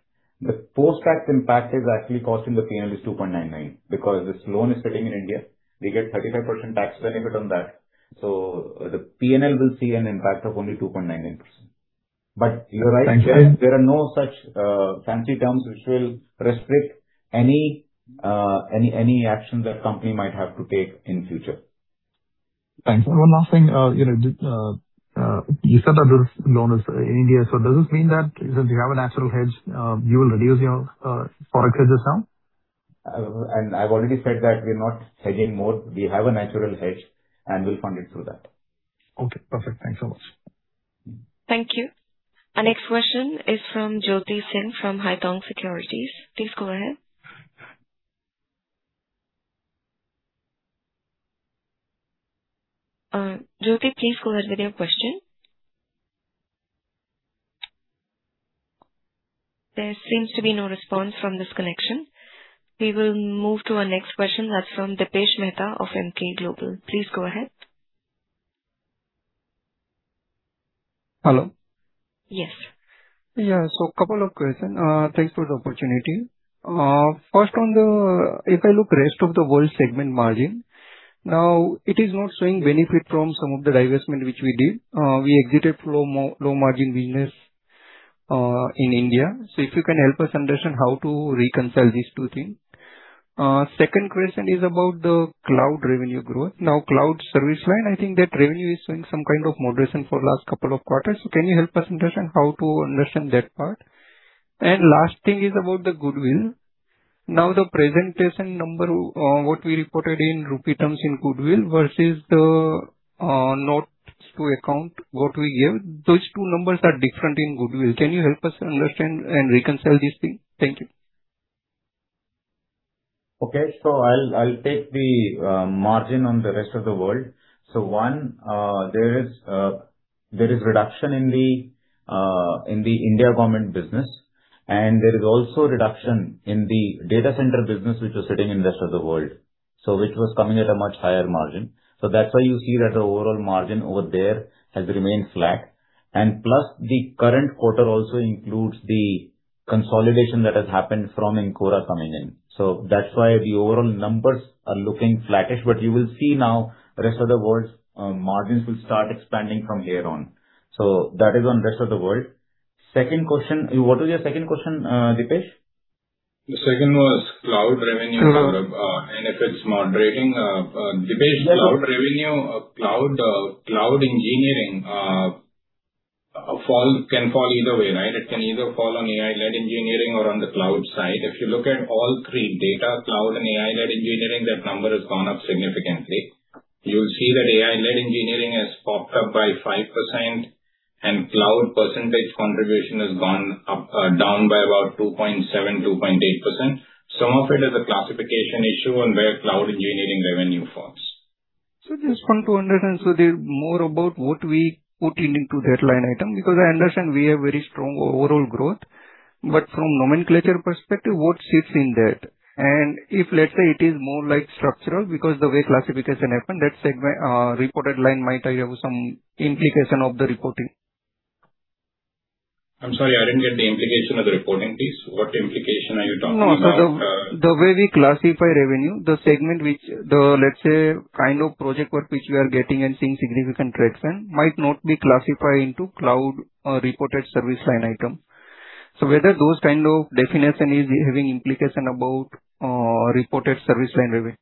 The post-tax impact is actually costing the P&L is 2.99%. Because this loan is sitting in India, we get 35% tax benefit on that. The P&L will see an impact of only 2.99%. You're right. Thank you. There are no such fancy terms which will restrict any action that company might have to take in future. Thanks. One last thing. You said that this loan is in India. Does this mean that since you have a natural hedge, you will reduce your forward hedges now? I've already said that we're not hedging more. We have a natural hedge, and we'll fund it through that. Okay, perfect. Thanks so much. Thank you. Our next question is from Jyoti Singh of Haitong Securities. Please go ahead. Jyoti, please go ahead with your question. There seems to be no response from this connection. We will move to our next question. That's from Dipesh Mehta of Emkay Global. Please go ahead. Hello? Yes. Yeah. Couple of question. Thanks for the opportunity. First, if I look rest of the world segment margin, it is not showing benefit from some of the divestment which we did. We exited low margin business in India. If you can help us understand how to reconcile these two things. Second question is about the cloud revenue growth. Cloud service line, I think that revenue is showing some kind of moderation for last couple of quarters. Can you help us understand how to understand that part? Last thing is about the goodwill. The presentation number, what we reported in rupee terms in goodwill versus the notes to account, what we give, those two numbers are different in goodwill. Can you help us understand and reconcile this thing? Thank you. Okay. I'll take the margin on the rest of the world. One, there is reduction in the India Government business and there is also reduction in the data center business which was sitting in rest of the world. Which was coming at a much higher margin. That's why you see that the overall margin over there has remained flat. Plus the current quarter also includes the consolidation that has happened from Encora coming in. That's why the overall numbers are looking flattish. You will see now rest of the world's margins will start expanding from here on. That is on rest of the world. Second question, what was your second question, Dipesh? The second was cloud revenue- Cloud. If it's moderating. Dipesh, cloud revenue, cloud engineering, can fall either way, right? It can either fall on AI-led engineering or on the cloud side. If you look at all three data cloud and AI-led engineering, that number has gone up significantly. You'll see that AI-led engineering has popped up by 5% and cloud percentage contribution has gone down by about 2.7%-2.8%. Some of it is a classification issue on where cloud engineering revenue falls. Just want to understand, so more about what we put into that line item, because I understand we have very strong overall growth, but from nomenclature perspective, what sits in that? If, let's say, it is more structural because the way classification happened, that segment reported line might have some implication of the reporting. I'm sorry, I didn't get the implication of the reporting please. What implication are you talking about? The way we classify revenue, the segment which the, let's say, kind of project work which we are getting and seeing significant traction might not be classified into cloud reported service line item. Whether those kind of definition is having implication about reported service line revenue.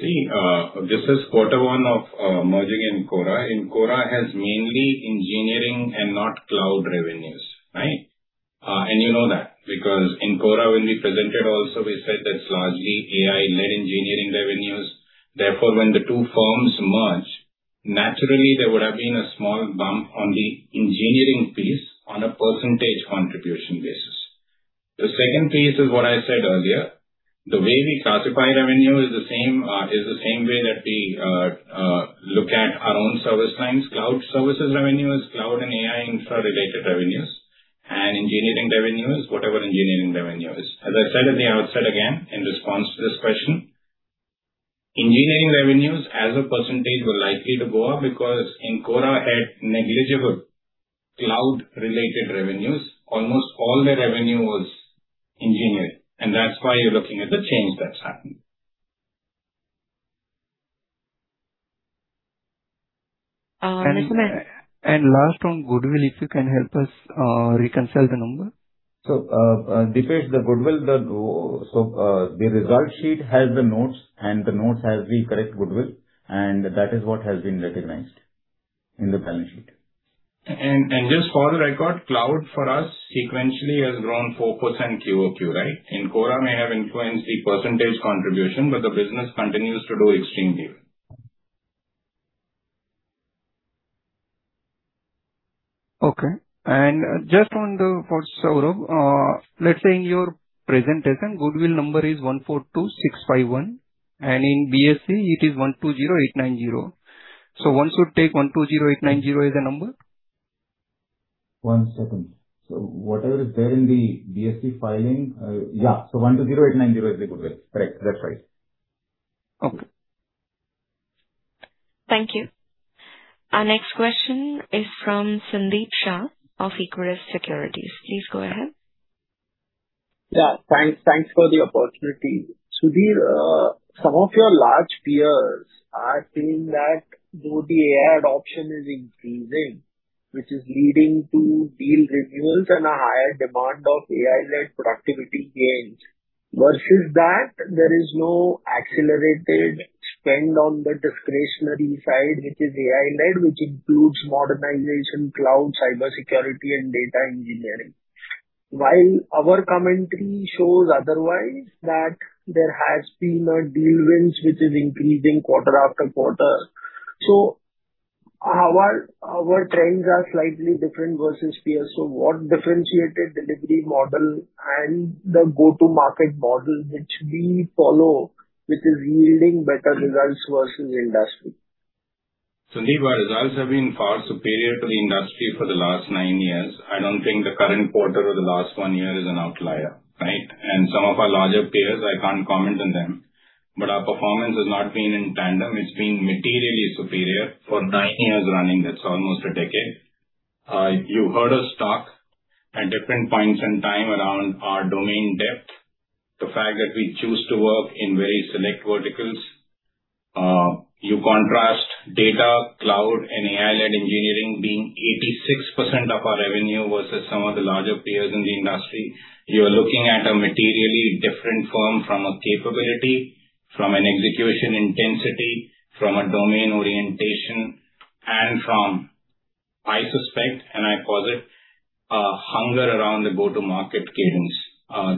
See, this is quarter one of merging Encora. Encora has mainly engineering and not cloud revenues. Right? You know that because Encora, when we presented also we said that it's largely AI-led engineering revenues. When the two firms merge, naturally there would have been a small bump on the engineering piece on a percentage contribution basis. The second piece is what I said earlier. The way we classify revenue is the same way that we look at our own service lines, cloud services revenues, cloud and AI infra-related revenues, and engineering revenues, whatever engineering revenue is. As I said at the outset, again, in response to this question, engineering revenues as a percentage were likely to go up because Encora had negligible cloud-related revenues. Almost all the revenue was engineering, and that's why you're looking at the change that's happened. Last on goodwill, if you can help us reconcile the number. Dipesh, the goodwill, the result sheet has the notes, and the notes has the correct goodwill, and that is what has been recognized in the balance sheet. Just for the record, cloud for us sequentially has grown 4% QoQ. Encora may have influenced the percentage contribution, but the business continues to do extremely well. Okay. Just for Saurabh, let's say in your presentation, goodwill number is 142,651, and in BSE it is 120,890. One should take 120,890 as a number? One second. Whatever is there in the BSE filing. Yeah. 120,890 is the goodwill. Correct. That's right. Okay. Thank you. Our next question is from Sandeep Shah of Equirus Securities. Please go ahead. Yeah, thanks for the opportunity. Sudhir, some of your large peers are saying that though the AI adoption is increasing, which is leading to deal renewals and a higher demand of AI-led productivity gains, versus that there is no accelerated spend on the discretionary side, which is AI-led, which includes modernization, cloud, cybersecurity, and data engineering. While our commentary shows otherwise, that there has been a deal wins which is increasing quarter-after-quarter. Our trends are slightly different versus peers. What differentiated delivery model and the go-to-market model which we follow, which is yielding better results versus industry? Sandeep, our results have been far superior to the industry for the last nine years. I don't think the current quarter or the last one year is an outlier. Right? Some of our larger peers, I can't comment on them, but our performance has not been in tandem. It's been materially superior for nine years running. That's almost a decade. You heard us talk at different points in time around our domain depth. The fact that we choose to work in very select verticals. You contrast data, cloud, and AI-led engineering being 86% of our revenue versus some of the larger peers in the industry. You are looking at a materially different firm from a capability, from an execution intensity, from a domain orientation, and from, I suspect, and I call it a hunger around the go-to-market cadence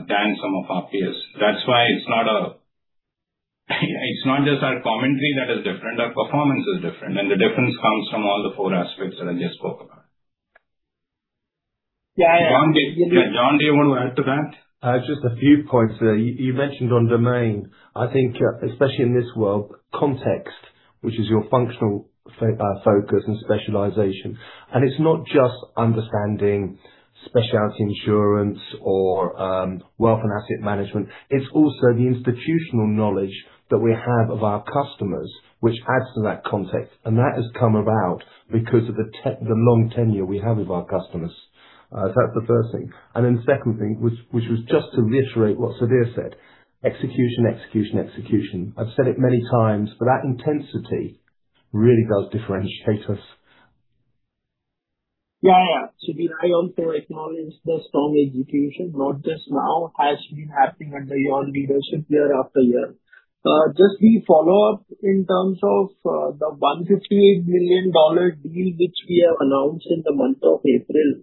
than some of our peers. That's why it's not just our commentary that is different, our performance is different. The difference comes from all the four aspects that I just spoke about. Yeah. John, do you want to add to that? Just a few points there. You mentioned on domain, I think especially in this world, context, which is your functional focus and specialization. It's not just understanding specialty insurance or wealth and asset management. It's also the institutional knowledge that we have of our customers, which adds to that context. That has come about because of the long tenure we have with our customers. That's the first thing. Then the second thing, which was just to reiterate what Sudhir said, execution, execution. I've said it many times, but that intensity really does differentiate us. Yeah. Sudhir, I also acknowledge the strong execution, not just now, has been happening under your leadership year-after-year. Just a follow-up in terms of the $158 million deal which we have announced in the month of April.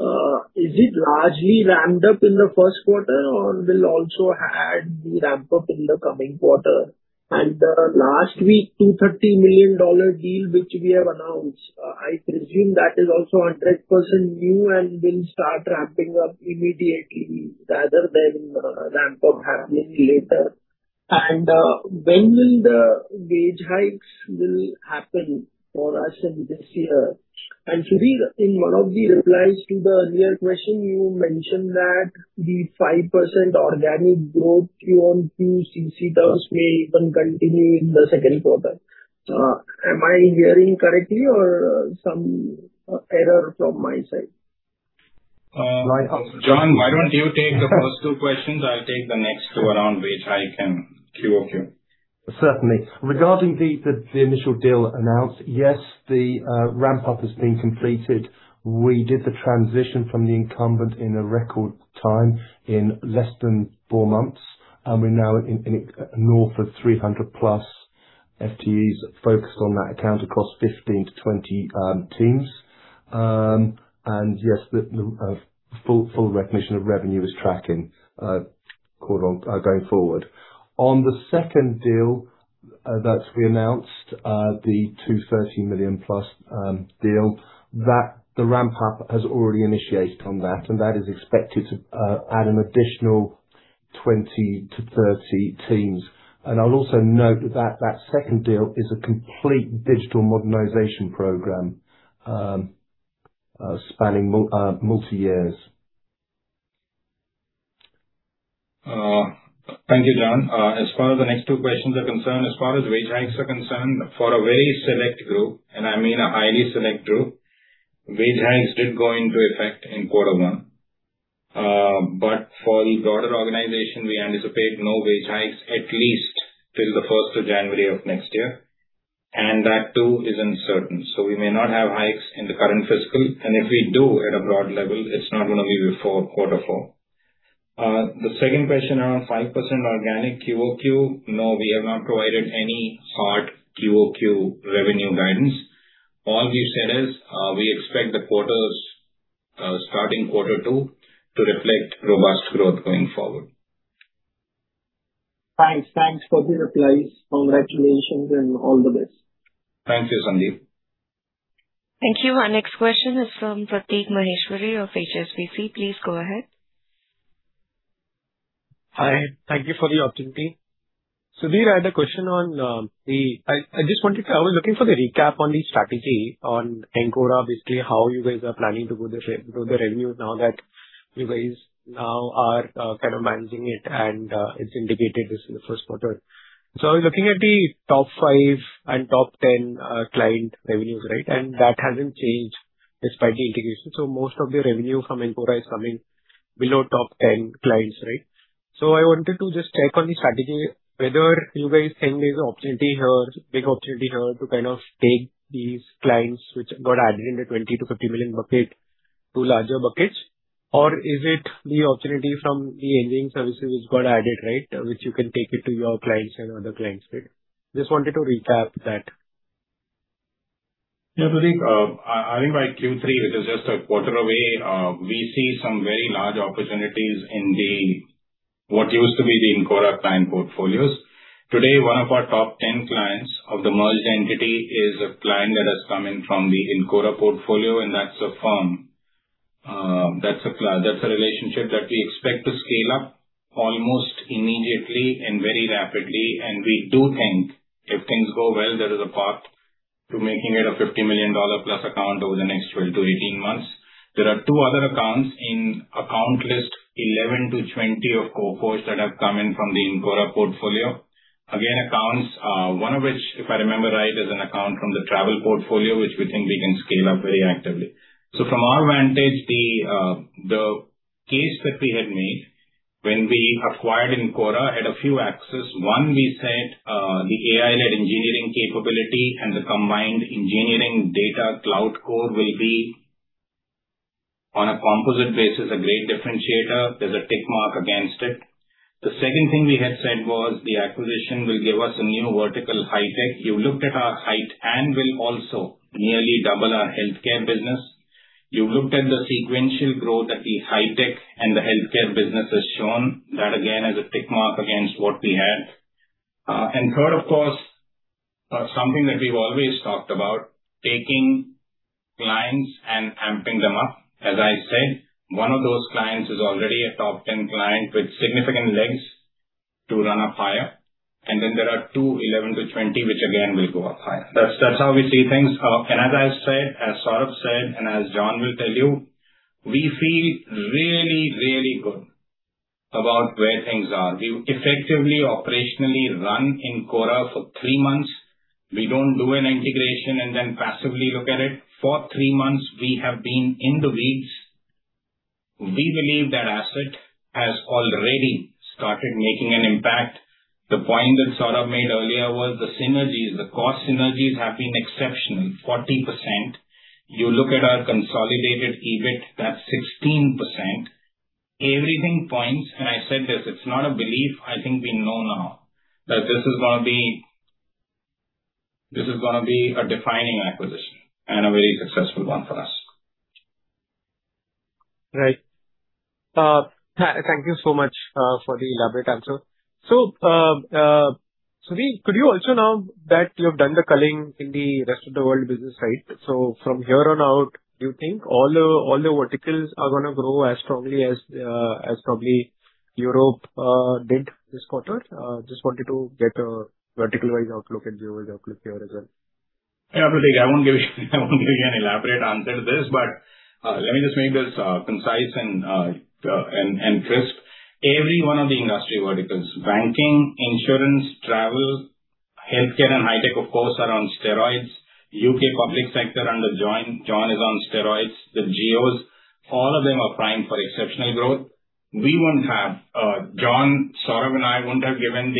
Is it largely ramped up in the first quarter or will also add the ramp-up in the coming quarter? The last week, $230 million deal which we have announced, I presume that is also 100% new and will start ramping up immediately rather than ramp-up happening later. When will the wage hikes will happen for us in this year? Sudhir, in one of the replies to the earlier question you mentioned that the 5% organic growth QoQ since it does may even continue in the second quarter. Am I hearing correctly or some error from my side? John, why don't you take the first two questions? I'll take the next two around wage hike and QoQ. Certainly. Regarding the initial deal announced, yes, the ramp-up has been completed. We did the transition from the incumbent in a record time in less than four months. We're now north of 300+ FTEs focused on that account across 15-20 teams. Yes, the full recognition of revenue is tracking going forward. On the second deal that we announced, the $230+ million deal, the ramp-up has already initiated on that. That is expected to add an additional 20-30 teams. I'll also note that that second deal is a complete digital modernization program spanning multi-years. Thank you, John. As far as the next two questions are concerned, as far as wage hikes are concerned, for a very select group, I mean a highly select group, wage hikes did go into effect in quarter one. For the broader organization, we anticipate no wage hikes at least till the 1st of January of next year. That too is uncertain. We may not have hikes in the current fiscal. If we do at a broad level, it's not going to be before quarter four. The second question around 5% organic QoQ, no, we have not provided any hard QoQ revenue guidance. All we've said is we expect the quarters starting quarter two to reflect robust growth going forward. Thanks. Thanks for the replies. Congratulations and all the best. Thanks, Sandeep. Thank you. Our next question is from Prateek Maheshwari of HSBC. Please go ahead. Hi. Thank you for the opportunity. Sudhir, I had a question on the recap on the strategy on Encora, basically how you guys are planning to grow the revenue now that you guys now are kind of managing it and it's integrated into the first quarter. I was looking at the top five and top 10 client revenues, right? That hasn't changed despite the integration. Most of the revenue from Encora is coming below top 10 clients, right? I wanted to just check on the strategy whether you guys think there's an opportunity here, big opportunity here to kind of take these clients which got added in the 20 million-50 million bucket to larger buckets? Is it the opportunity from the engineering services which got added, right, which you can take it to your clients and other clients, right? Just wanted to recap that. Yeah, Prateek. I mean, by Q3, which is just a quarter away, we see some very large opportunities in what used to be the Encora client portfolios. Today, one of our top 10 clients of the merged entity is a client that has come in from the Encora portfolio, that's a relationship that we expect to scale up almost immediately and very rapidly. We do think if things go well, there is a path to making it a $50+ million account over the next 12-18 months. There are two other accounts in account list 11-20, of course, that have come in from the Encora portfolio. Accounts, one of which, if I remember right, is an account from the travel portfolio, which we think we can scale up very actively. From our vantage, the case that we had made when we acquired Encora had a few axes. One, we said the AI-led engineering capability and the combined engineering data cloud core will be, on a composite basis, a great differentiator. There’s a tick mark against it. The second thing we had said was the acquisition will give us a new vertical, high-tech. You looked at our high-tech and will also nearly double our healthcare business. You looked at the sequential growth that the high-tech and the healthcare business has shown. That again, is a tick mark against what we had. Third, of course, something that we've always talked about, taking clients and amping them up. As I said, one of those clients is already a top 11 client with significant legs to run up higher. There are two, 11-20, which again will go up higher. That's how we see things. As I said, as Saurabh said, and as John will tell you, we feel really, really good about where things are. We've effectively operationally run Encora for three months. We don't do an integration and then passively look at it. For three months, we have been in the weeds. We believe that asset has already started making an impact. The point that Saurabh made earlier was the synergies. The cost synergies have been exceptional, 40%. You look at our consolidated EBIT, that's 16%. Everything points, and I said this, it's not a belief, I think we know now that this is gonna be a defining acquisition and a very successful one for us. Right. Thank you so much for the elaborate answer. Sudhir, could you also now that you have done the culling in the rest of the world business, right? From here on out, do you think all the verticals are gonna grow as strongly as probably Europe did this quarter? Just wanted to get a vertical-wise outlook and geography-wise outlook here as well. Yeah, Prateek, I won't give you an elaborate answer to this, but let me just make this concise and crisp. Every one of the industry verticals, banking, insurance, travel, healthcare, and high-tech, of course, are on steroids. U.K. public sector under John is on steroids. The geos, all of them are primed for exceptional growth. John, Saurabh, and I wouldn't have given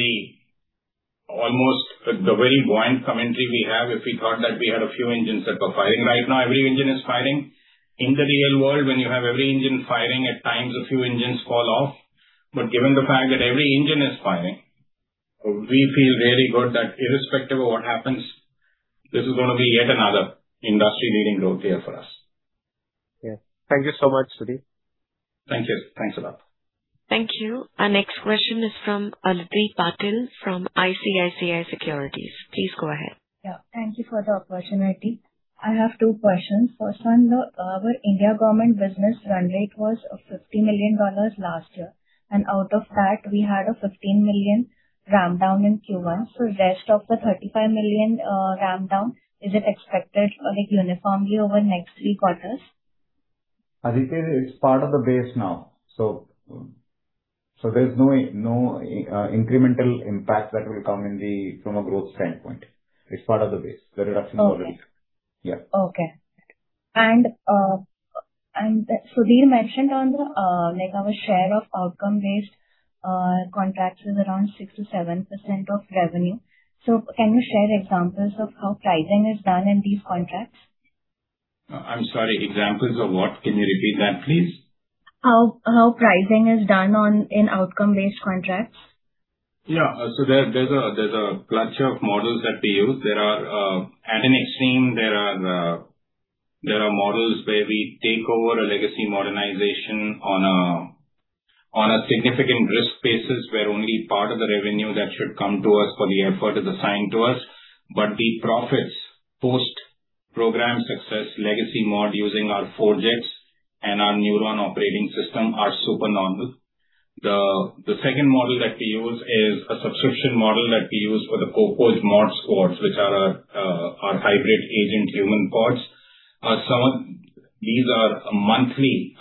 the very buoyant commentary we have if we thought that we had a few engines that were firing. Right now, every engine is firing. In the real world, when you have every engine firing, at times a few engines fall off. Given the fact that every engine is firing, we feel very good that irrespective of what happens, this is going to be yet another industry-leading growth year for us. Thank you so much, Sudhir. Thank you. Thanks a lot. Thank you. Our next question is from Aditi Patil from ICICI Securities. Please go ahead. Thank you for the opportunity. I have two questions. First one, our India government business run rate was INR 50 million last year, out of that, we had a 15 million ramp down in Q1. Rest of the 35 million ramp down, is it expected uniformly over next three quarters? Aditi, it's part of the base now. There's no incremental impact that will come in from a growth standpoint. It's part of the base, the reduction is always. Okay. Yeah. Okay. Sudhir mentioned on our share of outcome-based contracts is around 6%-7% of revenue. Can you share examples of how pricing is done in these contracts? I'm sorry, examples of what? Can you repeat that, please? How pricing is done in outcome-based contracts. Yeah. There's a clutch of models that we use. At an extreme, there are models where we take over a legacy modernization on a significant risk basis where only part of the revenue that should come to us for the effort is assigned to us. The profits post-program success legacy mod using our Forge-X and our Nuuron operating system are super normal. The second model that we use is a subscription model that we use for the Kofax Mod Squads, which are our hybrid agent human bots. These are monthly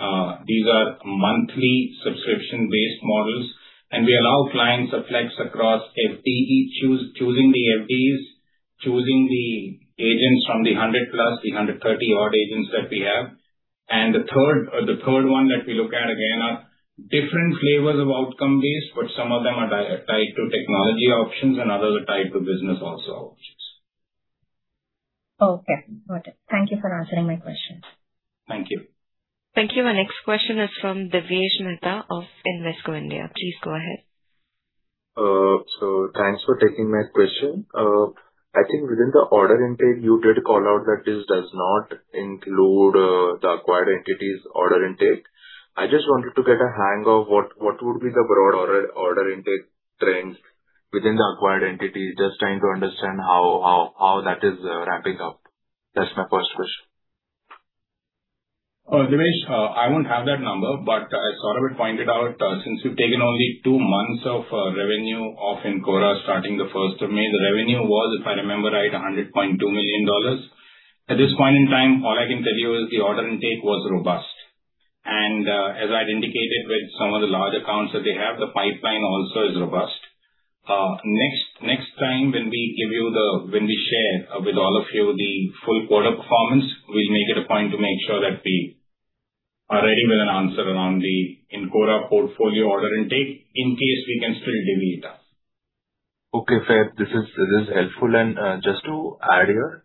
subscription-based models, and we allow clients a flex across FTE, choosing the FTEs, choosing the agents from the 100+, the 130 odd agents that we have. The third one that we look at, again, are different flavors of outcome base. Some of them are tied to technology options and others are tied to business also options. Okay. Got it. Thank you for answering my questions. Thank you. Thank you. Our next question is from Divyesh Mehta of Invesco India. Please go ahead. Thanks for taking my question. I think within the order intake, you did call out that this does not include the acquired entity's order intake. I just wanted to get a hang of what would be the broad order intake trends within the acquired entity. Just trying to understand how that is ramping up. That's my first question. Divyesh, I won't have that number, but as Saurabh pointed out, since we've taken only two months of revenue of Encora starting the first of May, the revenue was, if I remember right, $100.2 million. At this point in time, all I can tell you is the order intake was robust. As I had indicated with some of the large accounts that they have, the pipeline also is robust. Next time when we share with all of you the full quarter performance, we'll make it a point to make sure that we are ready with an answer around the Encora portfolio order intake in case we can still divvy it up. Okay, fair. This is helpful. Just to add here,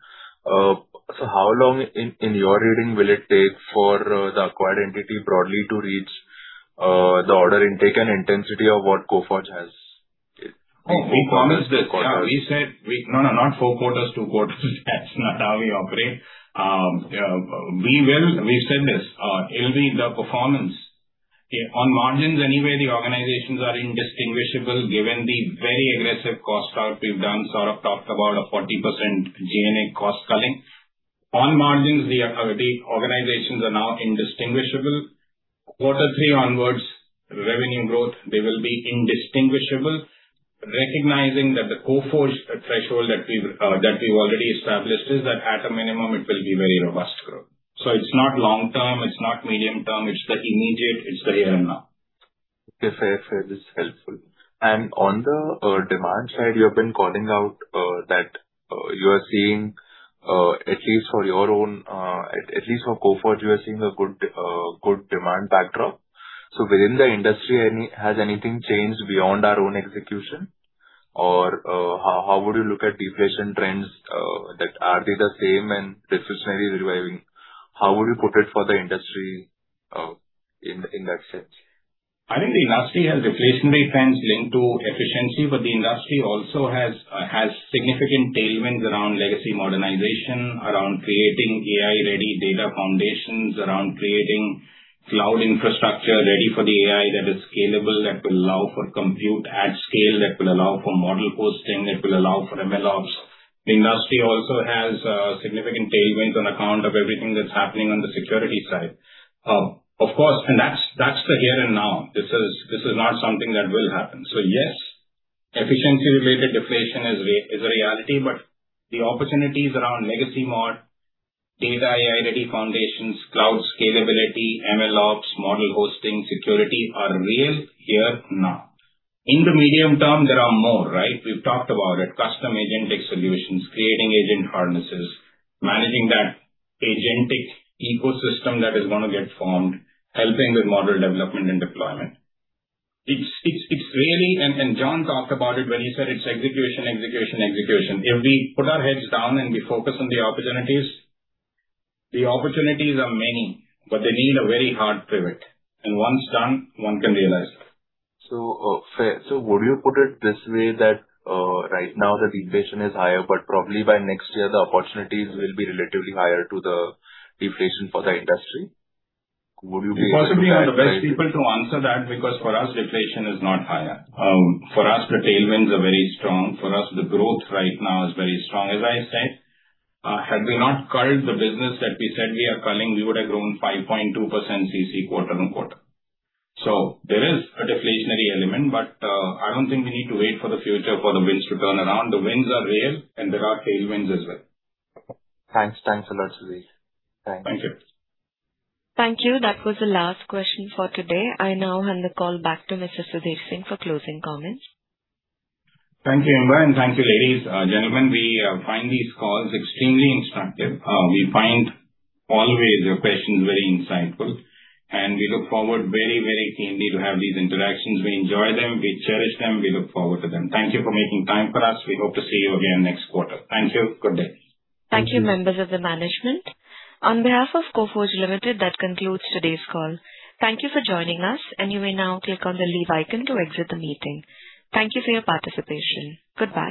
how long, in your reading, will it take for the acquired entity broadly to reach the order intake and intensity of what Coforge has? We promised this. No, not four quarters, two quarters. That's not how we operate. We said this. It'll be the performance. On margins anyway, the organizations are indistinguishable given the very aggressive cost cut we've done. Saurabh talked about a 40% G&A cost cutting. On margins, the organizations are now indistinguishable. Quarter three onwards, revenue growth, they will be indistinguishable. Recognizing that the Coforge threshold that we've already established is that at a minimum, it will be very robust growth. It's not long-term, it's not medium-term, it's the immediate, it's the here and now. Okay, fair. This is helpful. On the demand side, you have been calling out that you are seeing, at least for Coforge, you are seeing a good demand backdrop. Within the industry, has anything changed beyond our own execution? How would you look at deflation trends, are they the same and discretionary reviving? How would you put it for the industry in that sense? I think the industry has deflationary trends linked to efficiency, the industry also has significant tailwinds around legacy modernization, around creating AI-ready data foundations, around creating cloud infrastructure ready for the AI that is scalable, that will allow for compute at scale, that will allow for model hosting, it will allow for MLOps. The industry also has significant tailwinds on account of everything that's happening on the security side. Of course, that's the here and now. This is not something that will happen. Yes, efficiency-related deflation is a reality, but the opportunities around legacy mod, data AI-ready foundations, cloud scalability, MLOps, model hosting, security are real here now. In the medium term, there are more, right? We've talked about it. Custom agentic solutions, creating agent harnesses, managing that agentic ecosystem that is going to get formed, helping with model development and deployment. John talked about it when he said it's execution. If we put our heads down and we focus on the opportunities, the opportunities are many, they need a very hard pivot. Once done, one can realize. Would you put it this way that right now the deflation is higher, but probably by next year, the opportunities will be relatively higher to the deflation for the industry? We're possibly not the best people to answer that because for us, deflation is not higher. For us, the tailwinds are very strong. For us, the growth right now is very strong. As I said, had we not culled the business that we said we are culling, we would have grown 5.2% CC quarter-on-quarter. There is a deflationary element, but I don't think we need to wait for the future for the winds to turn around. The winds are real, and there are tailwinds as well. Okay. Thanks. Thanks a lot, Sudhir. Thank you. Thank you. That was the last question for today. I now hand the call back to Mr. Sudhir Singh for closing comments. Thank you, Amber. Thank you, ladies. Gentlemen, we find these calls extremely instructive. We find always your questions very insightful, and we look forward very keenly to have these interactions. We enjoy them, we cherish them, we look forward to them. Thank you for making time for us. We hope to see you again next quarter. Thank you. Good day. Thank you, members of the management. On behalf of Coforge Limited, that concludes today's call. Thank you for joining us, and you may now click on the leave icon to exit the meeting. Thank you for your participation. Goodbye